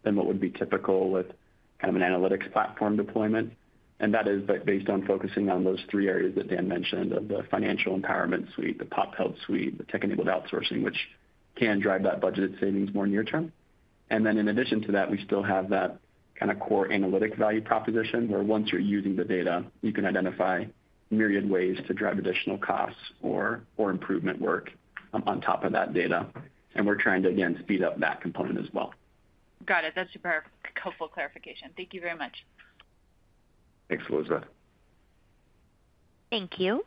than what would be typical with kind of an analytics platform deployment. That is based on focusing on those three areas that Dan mentioned of the Financial Empowerment Suite, the Population Health Suite, the tech-enabled outsourcing, which can drive that budgeted savings more near term. Then in addition to that, we still have that kind of core analytic value proposition, where once you're using the data, you can identify myriad ways to drive additional costs or improvement work on top of that data. We're trying to, again, speed up that component as well. Got it. That's super helpful clarification. Thank you very much. Thanks, Elizabeth. Thank you.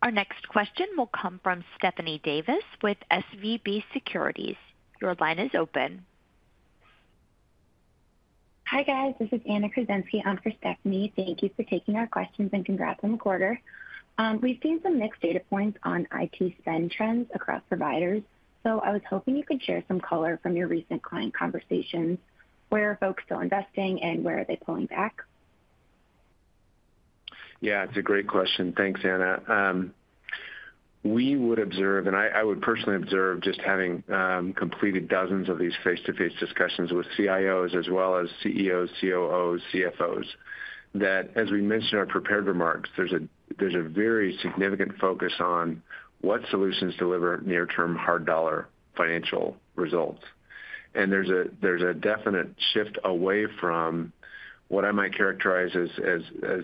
Our next question will come from Stephanie Davis with SVB Securities. Your line is open. Hi, guys, this is Anna Krasensky on for Stephanie. Thank you for taking our questions, and congrats on the quarter. We've seen some mixed data points on IT spend trends across providers, so I was hoping you could share some color from your recent client conversations, where folks are investing and where are they pulling back? Yeah, it's a great question. Thanks, Anna. We would observe, and I would personally observe just having completed dozens of these face-to-face discussions with CIOs as well as CEOs, COOs, CFOs, that as we mentioned in our prepared remarks, there's a very significant focus on what solutions deliver near term hard dollar financial results. There's a definite shift away from what I might characterize as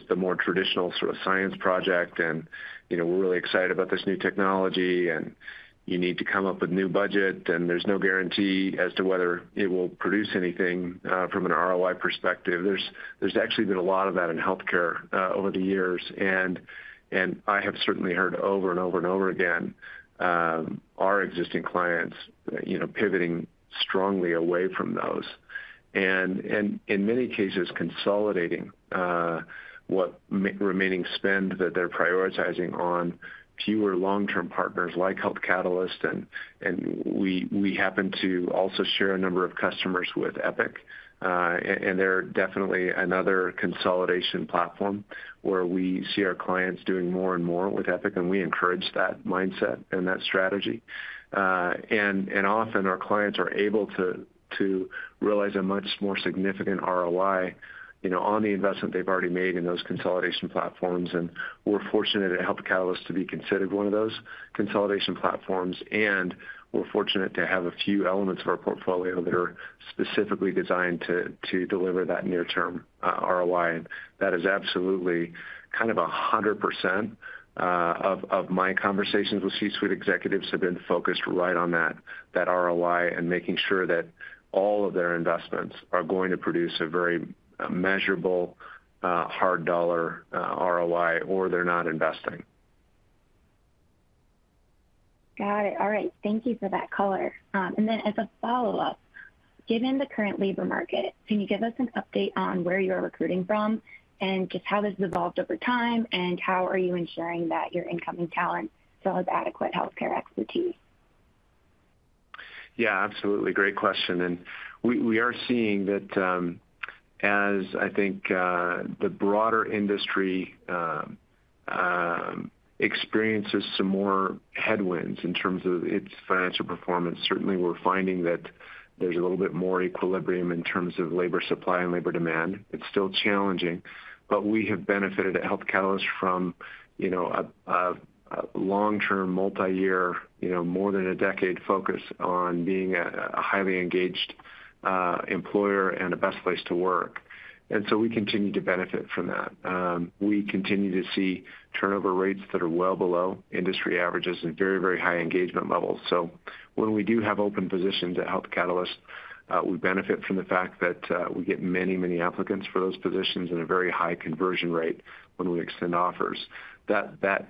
the more traditional sort of science project and, you know, we're really excited about this new technology, and you need to come up with new budget, and there's no guarantee as to whether it will produce anything from an ROI perspective. There's actually been a lot of that in healthcare over the years. I have certainly heard over and over and over again, our existing clients, you know, pivoting strongly away from those. In many cases consolidating, what remaining spend that they're prioritizing on fewer long-term partners like Health Catalyst. We happen to also share a number of customers with Epic. They're definitely another consolidation platform where we see our clients doing more and more with Epic, and we encourage that mindset and that strategy. Often our clients are able to realize a much more significant ROI, you know, on the investment they've already made in those consolidation platforms. We're fortunate at Health Catalyst to be considered one of those consolidation platforms. We're fortunate to have a few elements of our portfolio that are specifically designed to deliver that near term ROI. That is absolutely kind of 100% of my conversations with C-suite executives have been focused right on that ROI and making sure that all of their investments are going to produce a very measurable hard dollar ROI or they're not investing. Got it. All right. Thank you for that color. As a follow-up, given the current labor market, can you give us an update on where you're recruiting from and just how this has evolved over time, and how are you ensuring that your incoming talent still has adequate healthcare expertise? Yeah, absolutely. Great question. We are seeing that, as I think, the broader industry experiences some more headwinds in terms of its financial performance. Certainly, we're finding that there's a little bit more equilibrium in terms of labor supply and labor demand. It's still challenging, but we have benefited at Health Catalyst from, you know, a long-term multi-year, you know, more than a decade focus on being a highly engaged employer and a best place to work. We continue to benefit from that. We continue to see turnover rates that are well below industry averages and very high engagement levels. When we do have open positions at Health Catalyst, we benefit from the fact that we get many applicants for those positions and a very high conversion rate when we extend offers. That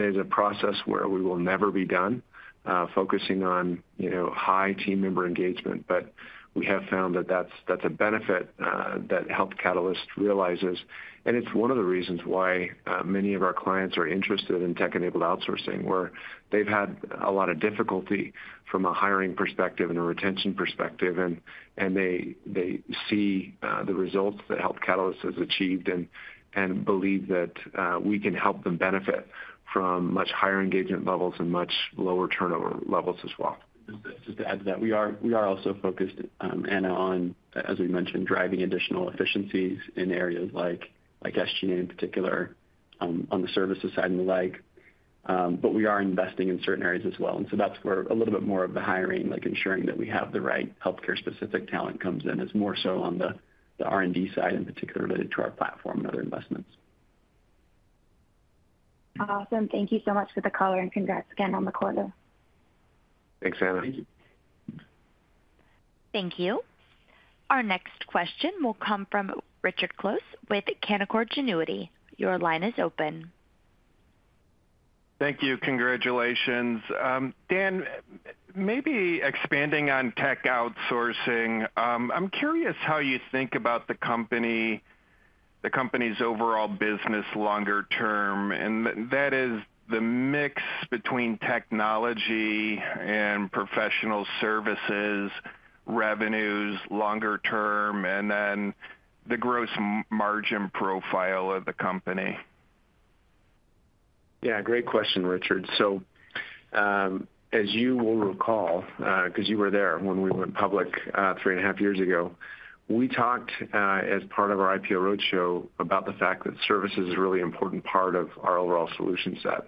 is a process where we will never be done focusing on, you know, high team member engagement. But we have found that that's a benefit that Health Catalyst realizes, and it's one of the reasons why many of our clients are interested in tech-enabled outsourcing, where they've had a lot of difficulty from a hiring perspective and a retention perspective, and they see the results that Health Catalyst has achieved and believe that we can help them benefit from much higher engagement levels and much lower turnover levels as well. Just to add to that, we are also focused, Anna, on, as we mentioned, driving additional efficiencies in areas like SG&A in particular, on the services side and the like. We are investing in certain areas as well, and so that's where a little bit more of the hiring, like ensuring that we have the right healthcare specific talent comes in. It's more so on the R&D side in particular related to our platform and other investments. Awesome. Thank you so much for the color and congrats again on the quarter. Thanks, Anna. Thank you. Thank you. Our next question will come from Richard Close with Canaccord Genuity. Your line is open. Thank you. Congratulations. Dan, maybe expanding on tech outsourcing, I'm curious how you think about the company's overall business longer term, and that is the mix between technology and professional services revenues longer term, and then the gross margin profile of the company. Yeah, great question, Richard Close. So, as you will recall, 'cause you were there when we went public, three and a half years ago, we talked as part of our IPO roadshow about the fact that services is a really important part of our overall solution set.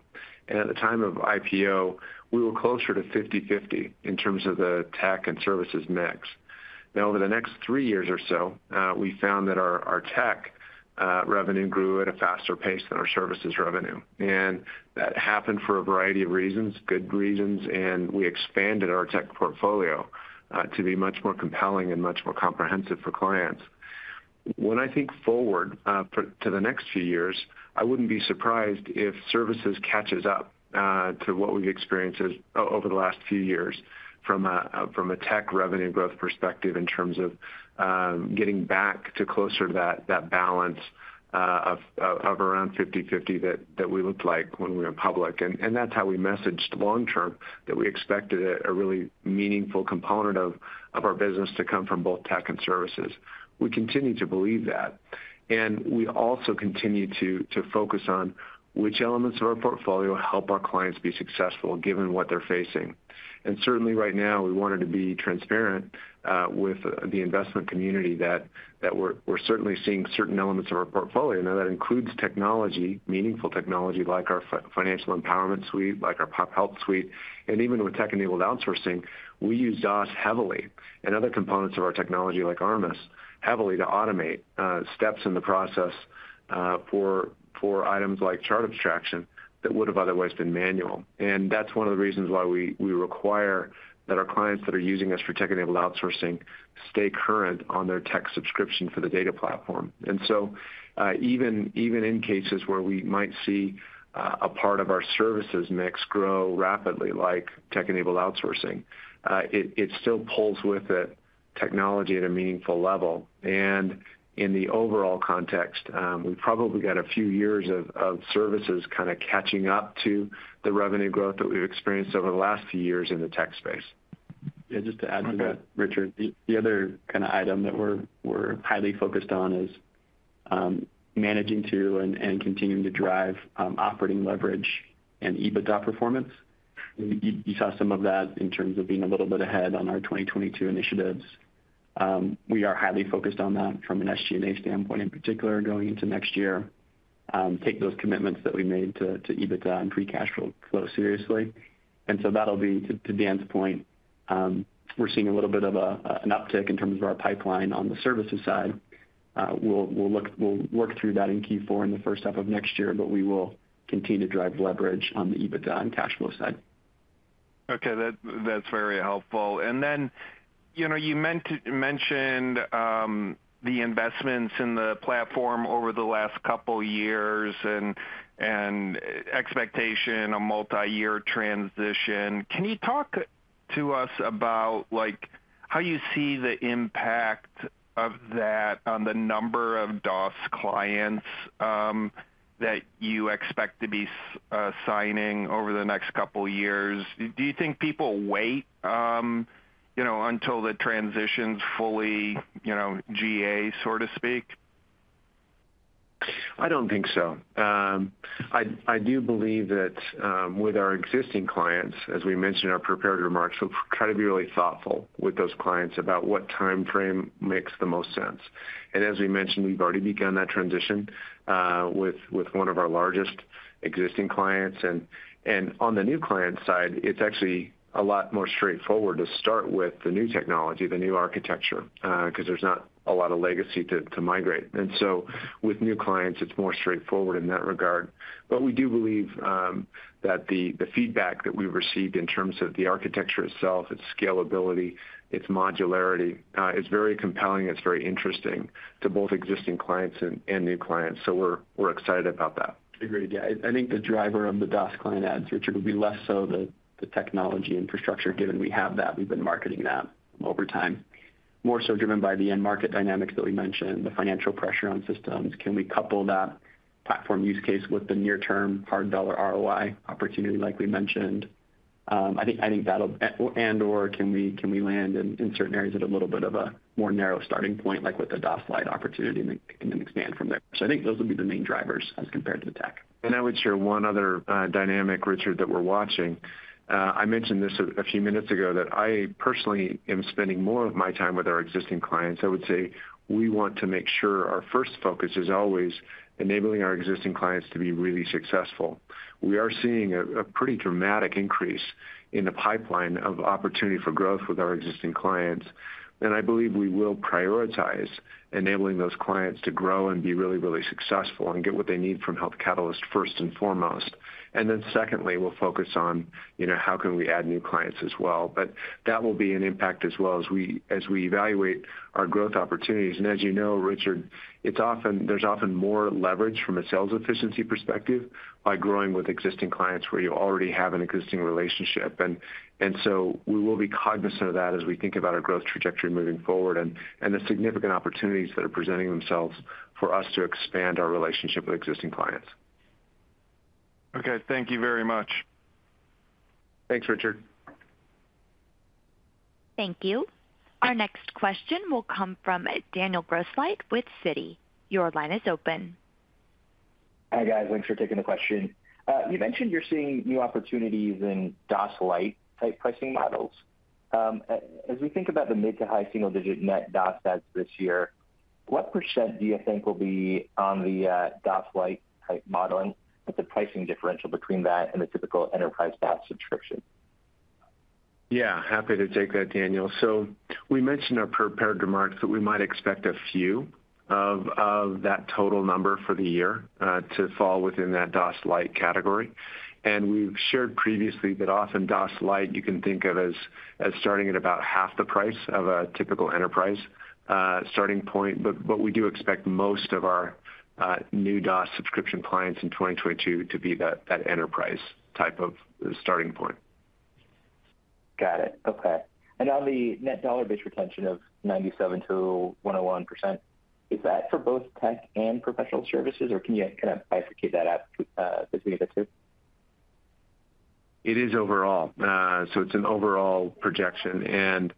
At the time of IPO, we were closer to 50/50 in terms of the tech and services mix. Now, over the next three years or so, we found that our tech revenue grew at a faster pace than our services revenue. That happened for a variety of reasons, good reasons, and we expanded our tech portfolio to be much more compelling and much more comprehensive for clients. When I think forward to the next few years, I wouldn't be surprised if services catches up to what we've experienced as over the last few years from a tech revenue growth perspective in terms of getting back to closer to that balance of around 50/50 that we looked like when we went public. That's how we messaged long term that we expected a really meaningful component of our business to come from both tech and services. We continue to believe that, and we also continue to focus on which elements of our portfolio help our clients be successful given what they're facing. Certainly right now, we wanted to be transparent with the investment community that we're certainly seeing certain elements of our portfolio. Now, that includes technology, meaningful technology like our Financial Empowerment Suite, like our Population Health Suite, and even with tech-enabled outsourcing, we use DOS heavily and other components of our technology like ARMUS heavily to automate steps in the process for items like chart abstraction that would have otherwise been manual. That's one of the reasons why we require that our clients that are using us for tech-enabled outsourcing stay current on their tech subscription for the data platform. Even in cases where we might see a part of our services mix grow rapidly like tech-enabled outsourcing, it still pulls with it technology at a meaningful level. In the overall context, we've probably got a few years of services kinda catching up to the revenue growth that we've experienced over the last few years in the tech space. Yeah, just to add to that, Richard. The other kinda item that we're highly focused on is managing to and continuing to drive operating leverage and EBITDA performance. You saw some of that in terms of being a little bit ahead on our 2022 initiatives. We are highly focused on that from an SG&A standpoint in particular going into next year. Take those commitments that we made to EBITDA and free cash flow seriously. That'll be, to Dan's point, we're seeing a little bit of an uptick in terms of our pipeline on the services side. We'll work through that in Q4 in the first half of next year, but we will continue to drive leverage on the EBITDA and cash flow side. Okay. That's very helpful. You know, you mentioned the investments in the platform over the last couple years and expectation, a multiyear transition. Can you talk to us about, like, how you see the impact of that on the number of DOS clients that you expect to be signing over the next couple years? Do you think people wait, you know, until the transition's fully, you know, GA, so to speak? I don't think so. I do believe that with our existing clients, as we mentioned in our prepared remarks, we've tried to be really thoughtful with those clients about what timeframe makes the most sense. As we mentioned, we've already begun that transition with one of our largest existing clients. On the new client side, it's actually a lot more straightforward to start with the new technology, the new architecture, 'cause there's not a lot of legacy to migrate. With new clients, it's more straightforward in that regard. We do believe that the feedback that we've received in terms of the architecture itself, its scalability, its modularity, is very compelling, it's very interesting to both existing clients and new clients, so we're excited about that. Agreed. Yeah. I think the driver of the DOS client adds, Richard, would be less so the technology infrastructure, given we have that, we've been marketing that over time, more so driven by the end market dynamics that we mentioned, the financial pressure on systems. Can we couple that platform use case with the near term hard dollar ROI opportunity like we mentioned? I think that'll and/or can we land in certain areas at a little bit of a more narrow starting point, like with the DOS Lite opportunity and then expand from there. I think those will be the main drivers as compared to the tech. I would share one other dynamic, Richard, that we're watching. I mentioned this a few minutes ago that I personally am spending more of my time with our existing clients. I would say we want to make sure our first focus is always enabling our existing clients to be really successful. We are seeing a pretty dramatic increase in the pipeline of opportunity for growth with our existing clients, and I believe we will prioritize enabling those clients to grow and be really, really successful and get what they need from Health Catalyst first and foremost. Secondly, we'll focus on, you know, how can we add new clients as well. That will be an impact as well as we evaluate our growth opportunities. As you know, Richard, it's often, there's often more leverage from a sales efficiency perspective by growing with existing clients where you already have an existing relationship. And so we will be cognizant of that as we think about our growth trajectory moving forward and the significant opportunities that are presenting themselves for us to expand our relationship with existing clients. Okay. Thank you very much. Thanks, Richard. Thank you. Our next question will come from Daniel Grosslight with Citi. Your line is open. Hi, guys. Thanks for taking the question. You mentioned you're seeing new opportunities in DOS Lite type pricing models. As we think about the mid- to high-single-digit net DOS adds this year, what % do you think will be on the DOS Lite type modeling with the pricing differential between that and the typical enterprise DOS subscription? Yeah. Happy to take that, Daniel. We mentioned in our prepared remarks that we might expect a few of that total number for the year to fall within that DOS Lite category. We've shared previously that often DOS Lite you can think of as starting at about half the price of a typical enterprise starting point. We do expect most of our new DOS subscription clients in 2022 to be that enterprise type of starting point. Got it. Okay. On the net dollar-based retention of 97%-101%, is that for both tech and professional services, or can you kind of bifurcate that out between the two? It is overall. It's an overall projection.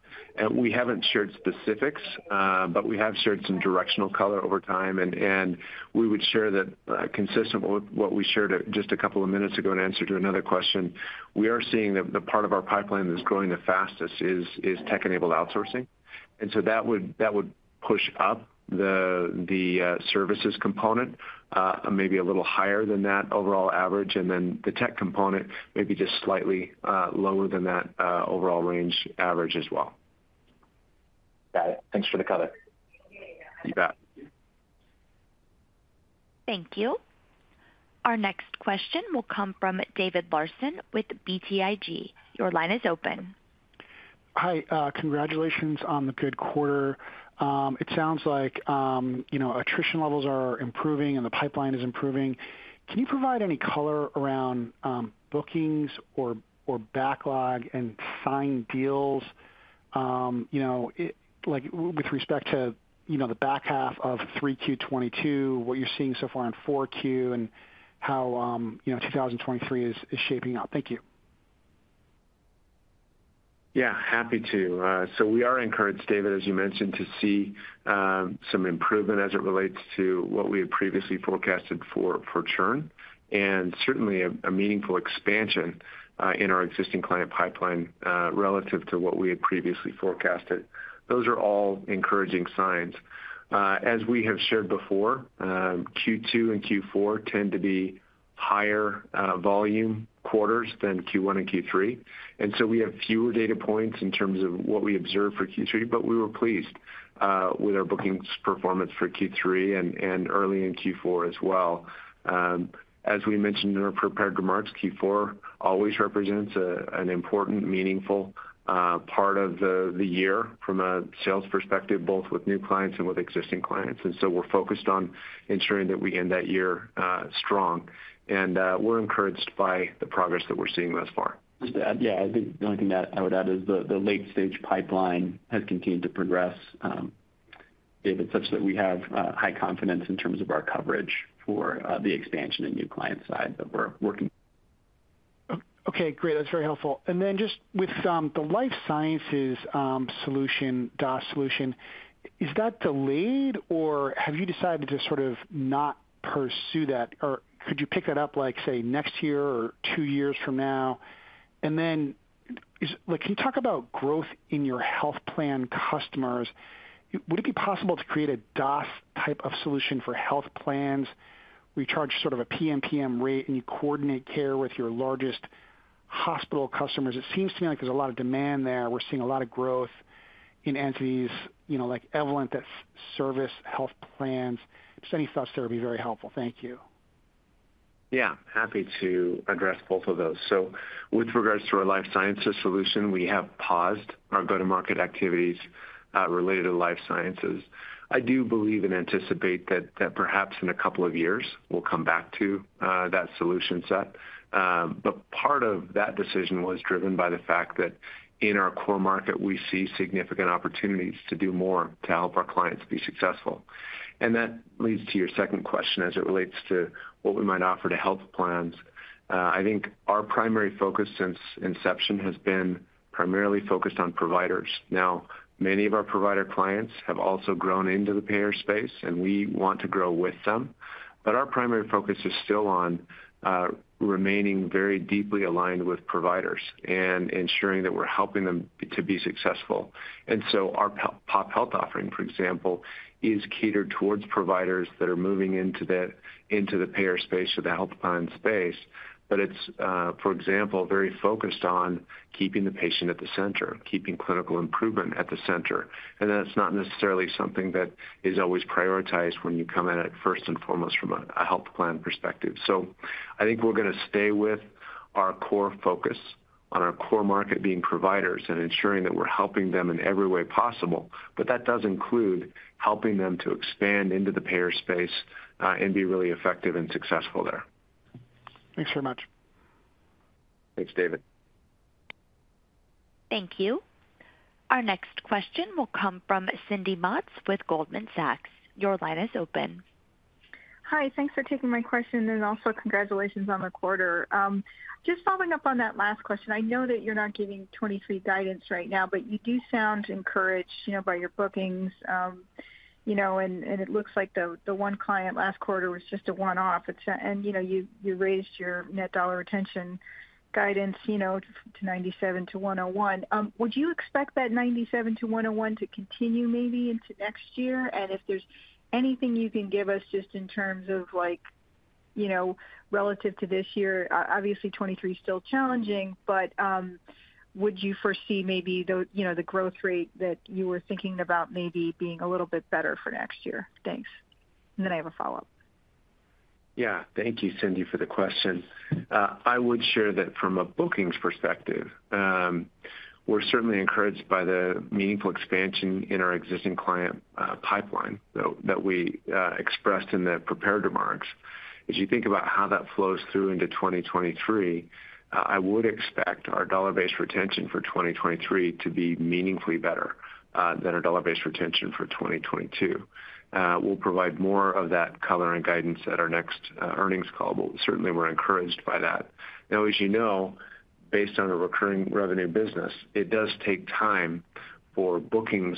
We haven't shared specifics, but we have shared some directional color over time. We would share that, consistent with what we shared just a couple of minutes ago in answer to another question. We are seeing the part of our pipeline that's growing the fastest is tech-enabled outsourcing. That would push up the services component, maybe a little higher than that overall average, and then the tech component maybe just slightly lower than that overall range average as well. Got it. Thanks for the color. You bet. Thank you. Our next question will come from David Larsen with BTIG. Your line is open. Hi. Congratulations on the good quarter. It sounds like, you know, attrition levels are improving and the pipeline is improving. Can you provide any color around bookings or backlog and signed deals, you know, like with respect to, you know, the back half of 3Q 2022, what you're seeing so far in 4Q and how, you know, 2023 is shaping up? Thank you. Yeah. Happy to. So we are encouraged, David, as you mentioned, to see some improvement as it relates to what we had previously forecasted for churn, and certainly a meaningful expansion in our existing client pipeline relative to what we had previously forecasted. Those are all encouraging signs. As we have shared before, Q2 and Q4 tend to be higher volume quarters than Q1 and Q3. We have fewer data points in terms of what we observed for Q3, but we were pleased with our bookings performance for Q3 and early in Q4 as well. As we mentioned in our prepared remarks, Q4 always represents an important, meaningful part of the year from a sales perspective, both with new clients and with existing clients. We're focused on ensuring that we end that year strong, and we're encouraged by the progress that we're seeing thus far. Just to add, yeah, I think the only thing that I would add is the late-stage pipeline has continued to progress, David Larsen, such that we have high confidence in terms of our coverage for the expansion in new client side that we're working. Okay, great. That's very helpful. Just with the life sciences solution, DaaS solution, is that delayed, or have you decided to sort of not pursue that? Or could you pick that up, like, say, next year or two years from now? Like, can you talk about growth in your health plan customers? Would it be possible to create a DaaS type of solution for health plans where you charge sort of a PMPM rate, and you coordinate care with your largest hospital customers? It seems to me like there's a lot of demand there. We're seeing a lot of growth in entities, you know, like Evolent that serve health plans. Just any thoughts there would be very helpful. Thank you. Yeah, happy to address both of those. With regards to our life sciences solution, we have paused our go-to-market activities related to life sciences. I do believe and anticipate that perhaps in a couple of years we'll come back to that solution set. But part of that decision was driven by the fact that in our core market, we see significant opportunities to do more to help our clients be successful. That leads to your second question as it relates to what we might offer to health plans. I think our primary focus since inception has been primarily focused on providers. Now, many of our provider clients have also grown into the payer space, and we want to grow with them. Our primary focus is still on remaining very deeply aligned with providers and ensuring that we're helping them to be successful. Our population health offering, for example, is catered towards providers that are moving into the payer space or the health plan space. It's, for example, very focused on keeping the patient at the center, keeping clinical improvement at the center. That's not necessarily something that is always prioritized when you come in at first and foremost from a health plan perspective. I think we're gonna stay with our core focus on our core market being providers and ensuring that we're helping them in every way possible. That does include helping them to expand into the payer space and be really effective and successful there. Thanks so much. Thanks, David. Thank you. Our next question will come from Cindy Motz with Goldman Sachs. Your line is open. Hi. Thanks for taking my question and also congratulations on the quarter. Just following up on that last question, I know that you're not giving 2023 guidance right now, but you do sound encouraged, you know, by your bookings. You know, and it looks like the one client last quarter was just a one-off. It's a one-off. You raised your net dollar retention guidance, you know, to 97%-101%. Would you expect that 97%-101% to continue maybe into next year? If there's anything you can give us just in terms of like, you know, relative to this year, obviously 2023 is still challenging, but would you foresee maybe the growth rate that you were thinking about maybe being a little bit better for next year? Thanks. I have a follow-up. Yeah. Thank you, Cindy, for the question. I would share that from a bookings perspective, we're certainly encouraged by the meaningful expansion in our existing client pipeline that we expressed in the prepared remarks. As you think about how that flows through into 2023, I would expect our dollar-based retention for 2023 to be meaningfully better than our dollar-based retention for 2022. We'll provide more of that color and guidance at our next earnings call, but certainly we're encouraged by that. Now, as you know, based on a recurring revenue business, it does take time for bookings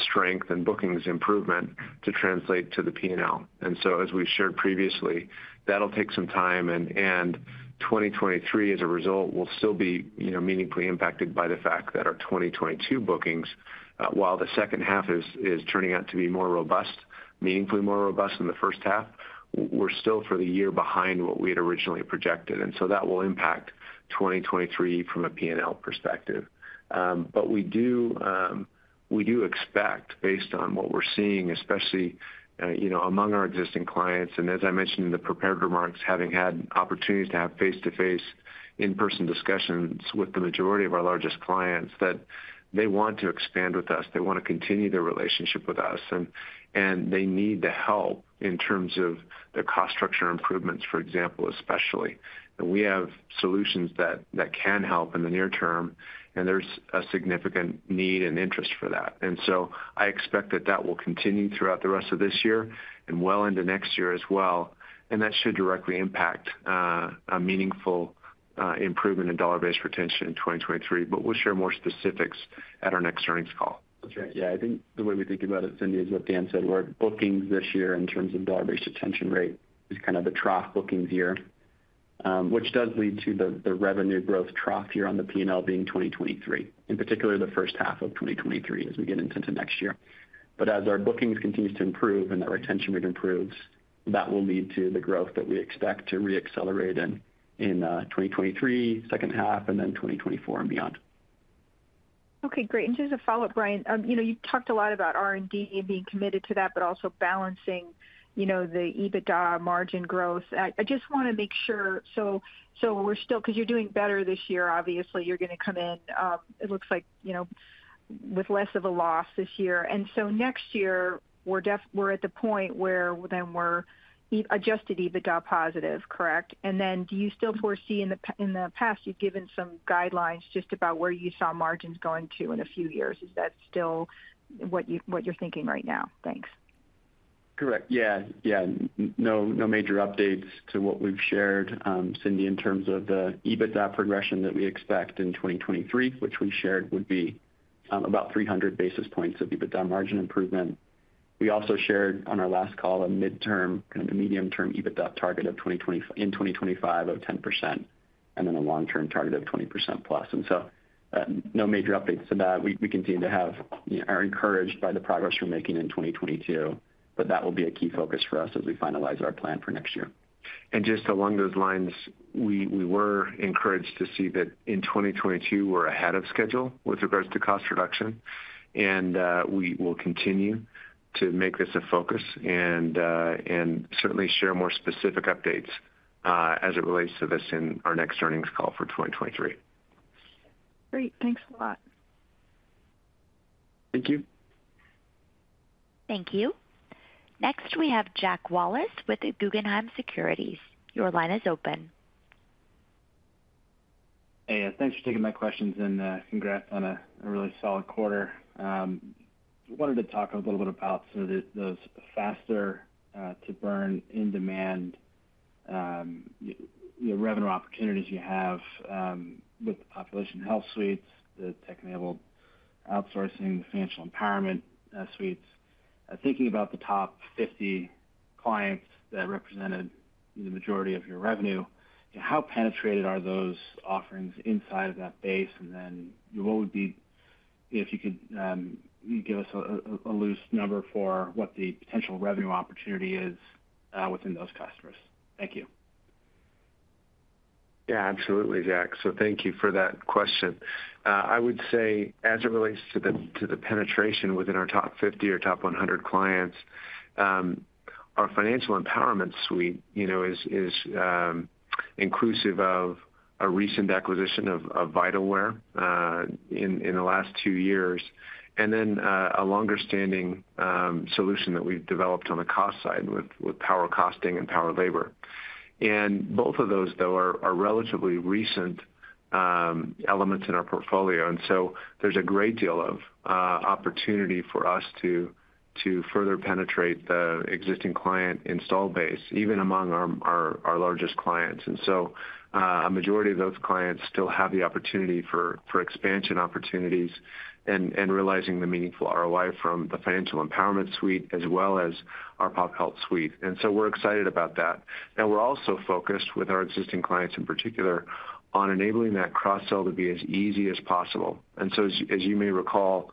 strength and bookings improvement to translate to the P&L. As we've shared previously, that'll take some time, and 2023 as a result, will still be meaningfully impacted by the fact that our 2022 bookings, while the second half is turning out to be more robust, meaningfully more robust than the first half, we're still for the year behind what we had originally projected, and that will impact 2023 from a P&L perspective. We do expect based on what we're seeing, especially among our existing clients, and as I mentioned in the prepared remarks, having had opportunities to have face-to-face in-person discussions with the majority of our largest clients, that they want to expand with us. They wanna continue their relationship with us, and they need the help in terms of their cost structure improvements, for example, especially. We have solutions that can help in the near term, and there's a significant need and interest for that. I expect that will continue throughout the rest of this year and well into next year as well. That should directly impact a meaningful improvement in dollar-based retention in 2023, but we'll share more specifics at our next earnings call. Yeah. I think the way we think about it, Cindy, is what Dan said, where bookings this year in terms of dollar-based retention rate is kind of a trough bookings year, which does lead to the revenue growth trough here on the P&L being 2023, in particular the first half of 2023 as we get into next year. As our bookings continues to improve and our retention rate improves, that will lead to the growth that we expect to re-accelerate in 2023 second half and then 2024 and beyond. Okay, great. Just a follow-up, Bryan. You know, you talked a lot about R&D and being committed to that, but also balancing, you know, the EBITDA margin growth. I just wanna make sure, so we're still—'cause you're doing better this year, obviously. You're gonna come in, it looks like, you know, with less of a loss this year. Next year we're at the point where then we're adjusted EBITDA positive, correct? Then do you still foresee in the past, you've given some guidelines just about where you saw margins going to in a few years. Is that still what you're thinking right now? Thanks. Correct. Yeah. Yeah. No major updates to what we've shared, Cindy, in terms of the EBITDA progression that we expect in 2023, which we shared would be about 300 basis points of EBITDA margin improvement. We also shared on our last call a midterm, kind of a medium-term EBITDA target of 2025 of 10% and then a long-term target of 20%+. No major updates to that. We continue to have, you know, are encouraged by the progress we're making in 2022, but that will be a key focus for us as we finalize our plan for next year. Just along those lines, we were encouraged to see that in 2022 we're ahead of schedule with regards to cost reduction, and we will continue to make this a focus and certainly share more specific updates as it relates to this in our next earnings call for 2023. Great. Thanks a lot. Thank you. Thank you. Next, we have Jack Wallace with Guggenheim Securities. Your line is open. Hey, thanks for taking my questions and congrats on a really solid quarter. Wanted to talk a little bit about some of those faster to burn in demand, you know, revenue opportunities you have with the Population Health Suites, the tech-enabled outsourcing, the Financial Empowerment Suites. Thinking about the top 50 clients that represented the majority of your revenue, how penetrated are those offerings inside of that base? What would be, if you could, give us a loose number for what the potential revenue opportunity is within those customers. Thank you. Yeah, absolutely, Jack. Thank you for that question. I would say as it relates to the penetration within our top 50 or top 100 clients, our Financial Empowerment Suite, you know, is inclusive of a recent acquisition of Vitalware in the last two years, and then a longer-standing solution that we've developed on the cost side with PowerCosting and PowerLabor. Both of those, though, are relatively recent elements in our portfolio, and there's a great deal of opportunity for us to further penetrate the existing client install base, even among our largest clients. A majority of those clients still have the opportunity for expansion opportunities and realizing the meaningful ROI from the Financial Empowerment Suite as well as our pop health suite. We're excited about that. We're also focused with our existing clients in particular on enabling that cross-sell to be as easy as possible. As you may recall,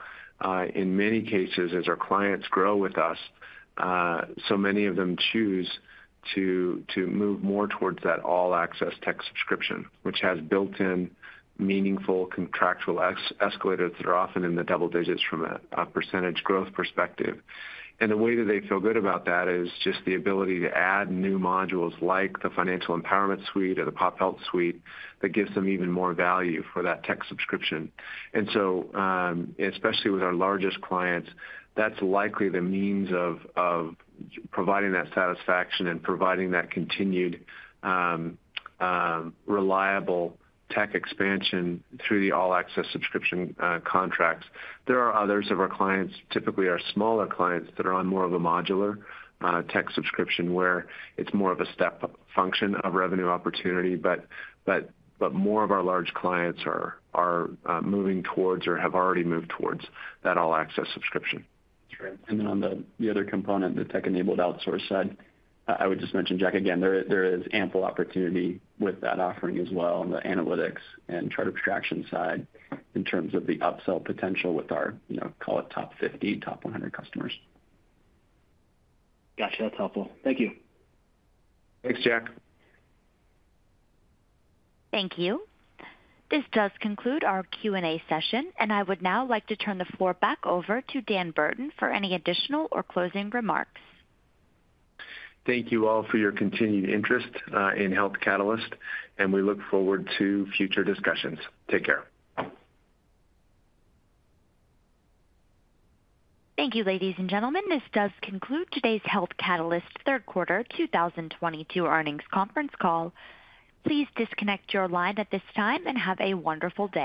in many cases, as our clients grow with us, so many of them choose to move more towards that all access tech subscription, which has built in meaningful contractual escalators that are often in the double digits from a percentage growth perspective. The way that they feel good about that is just the ability to add new modules like the Financial Empowerment Suite or the pop health suite that gives them even more value for that tech subscription. especially with our largest clients, that's likely the means of providing that satisfaction and providing that continued reliable tech expansion through the all access subscription contracts. There are others of our clients, typically our smaller clients, that are on more of a modular tech subscription, where it's more of a step function of revenue opportunity, but more of our large clients are moving towards or have already moved towards that all access subscription. Sure. On the other component, the tech-enabled outsource side, I would just mention, Jack, again, there is ample opportunity with that offering as well on the analytics and chart abstraction side in terms of the upsell potential with our, you know, call it top 50, top 100 customers. Gotcha, that's helpful. Thank you. Thanks, Jack. Thank you. This does conclude our Q&A session, and I would now like to turn the floor back over to Dan Burton for any additional or closing remarks. Thank you all for your continued interest in Health Catalyst, and we look forward to future discussions. Take care. Thank you, ladies and gentlemen. This does conclude today's Health Catalyst third quarter 2022 earnings conference call. Please disconnect your line at this time, and have a wonderful day.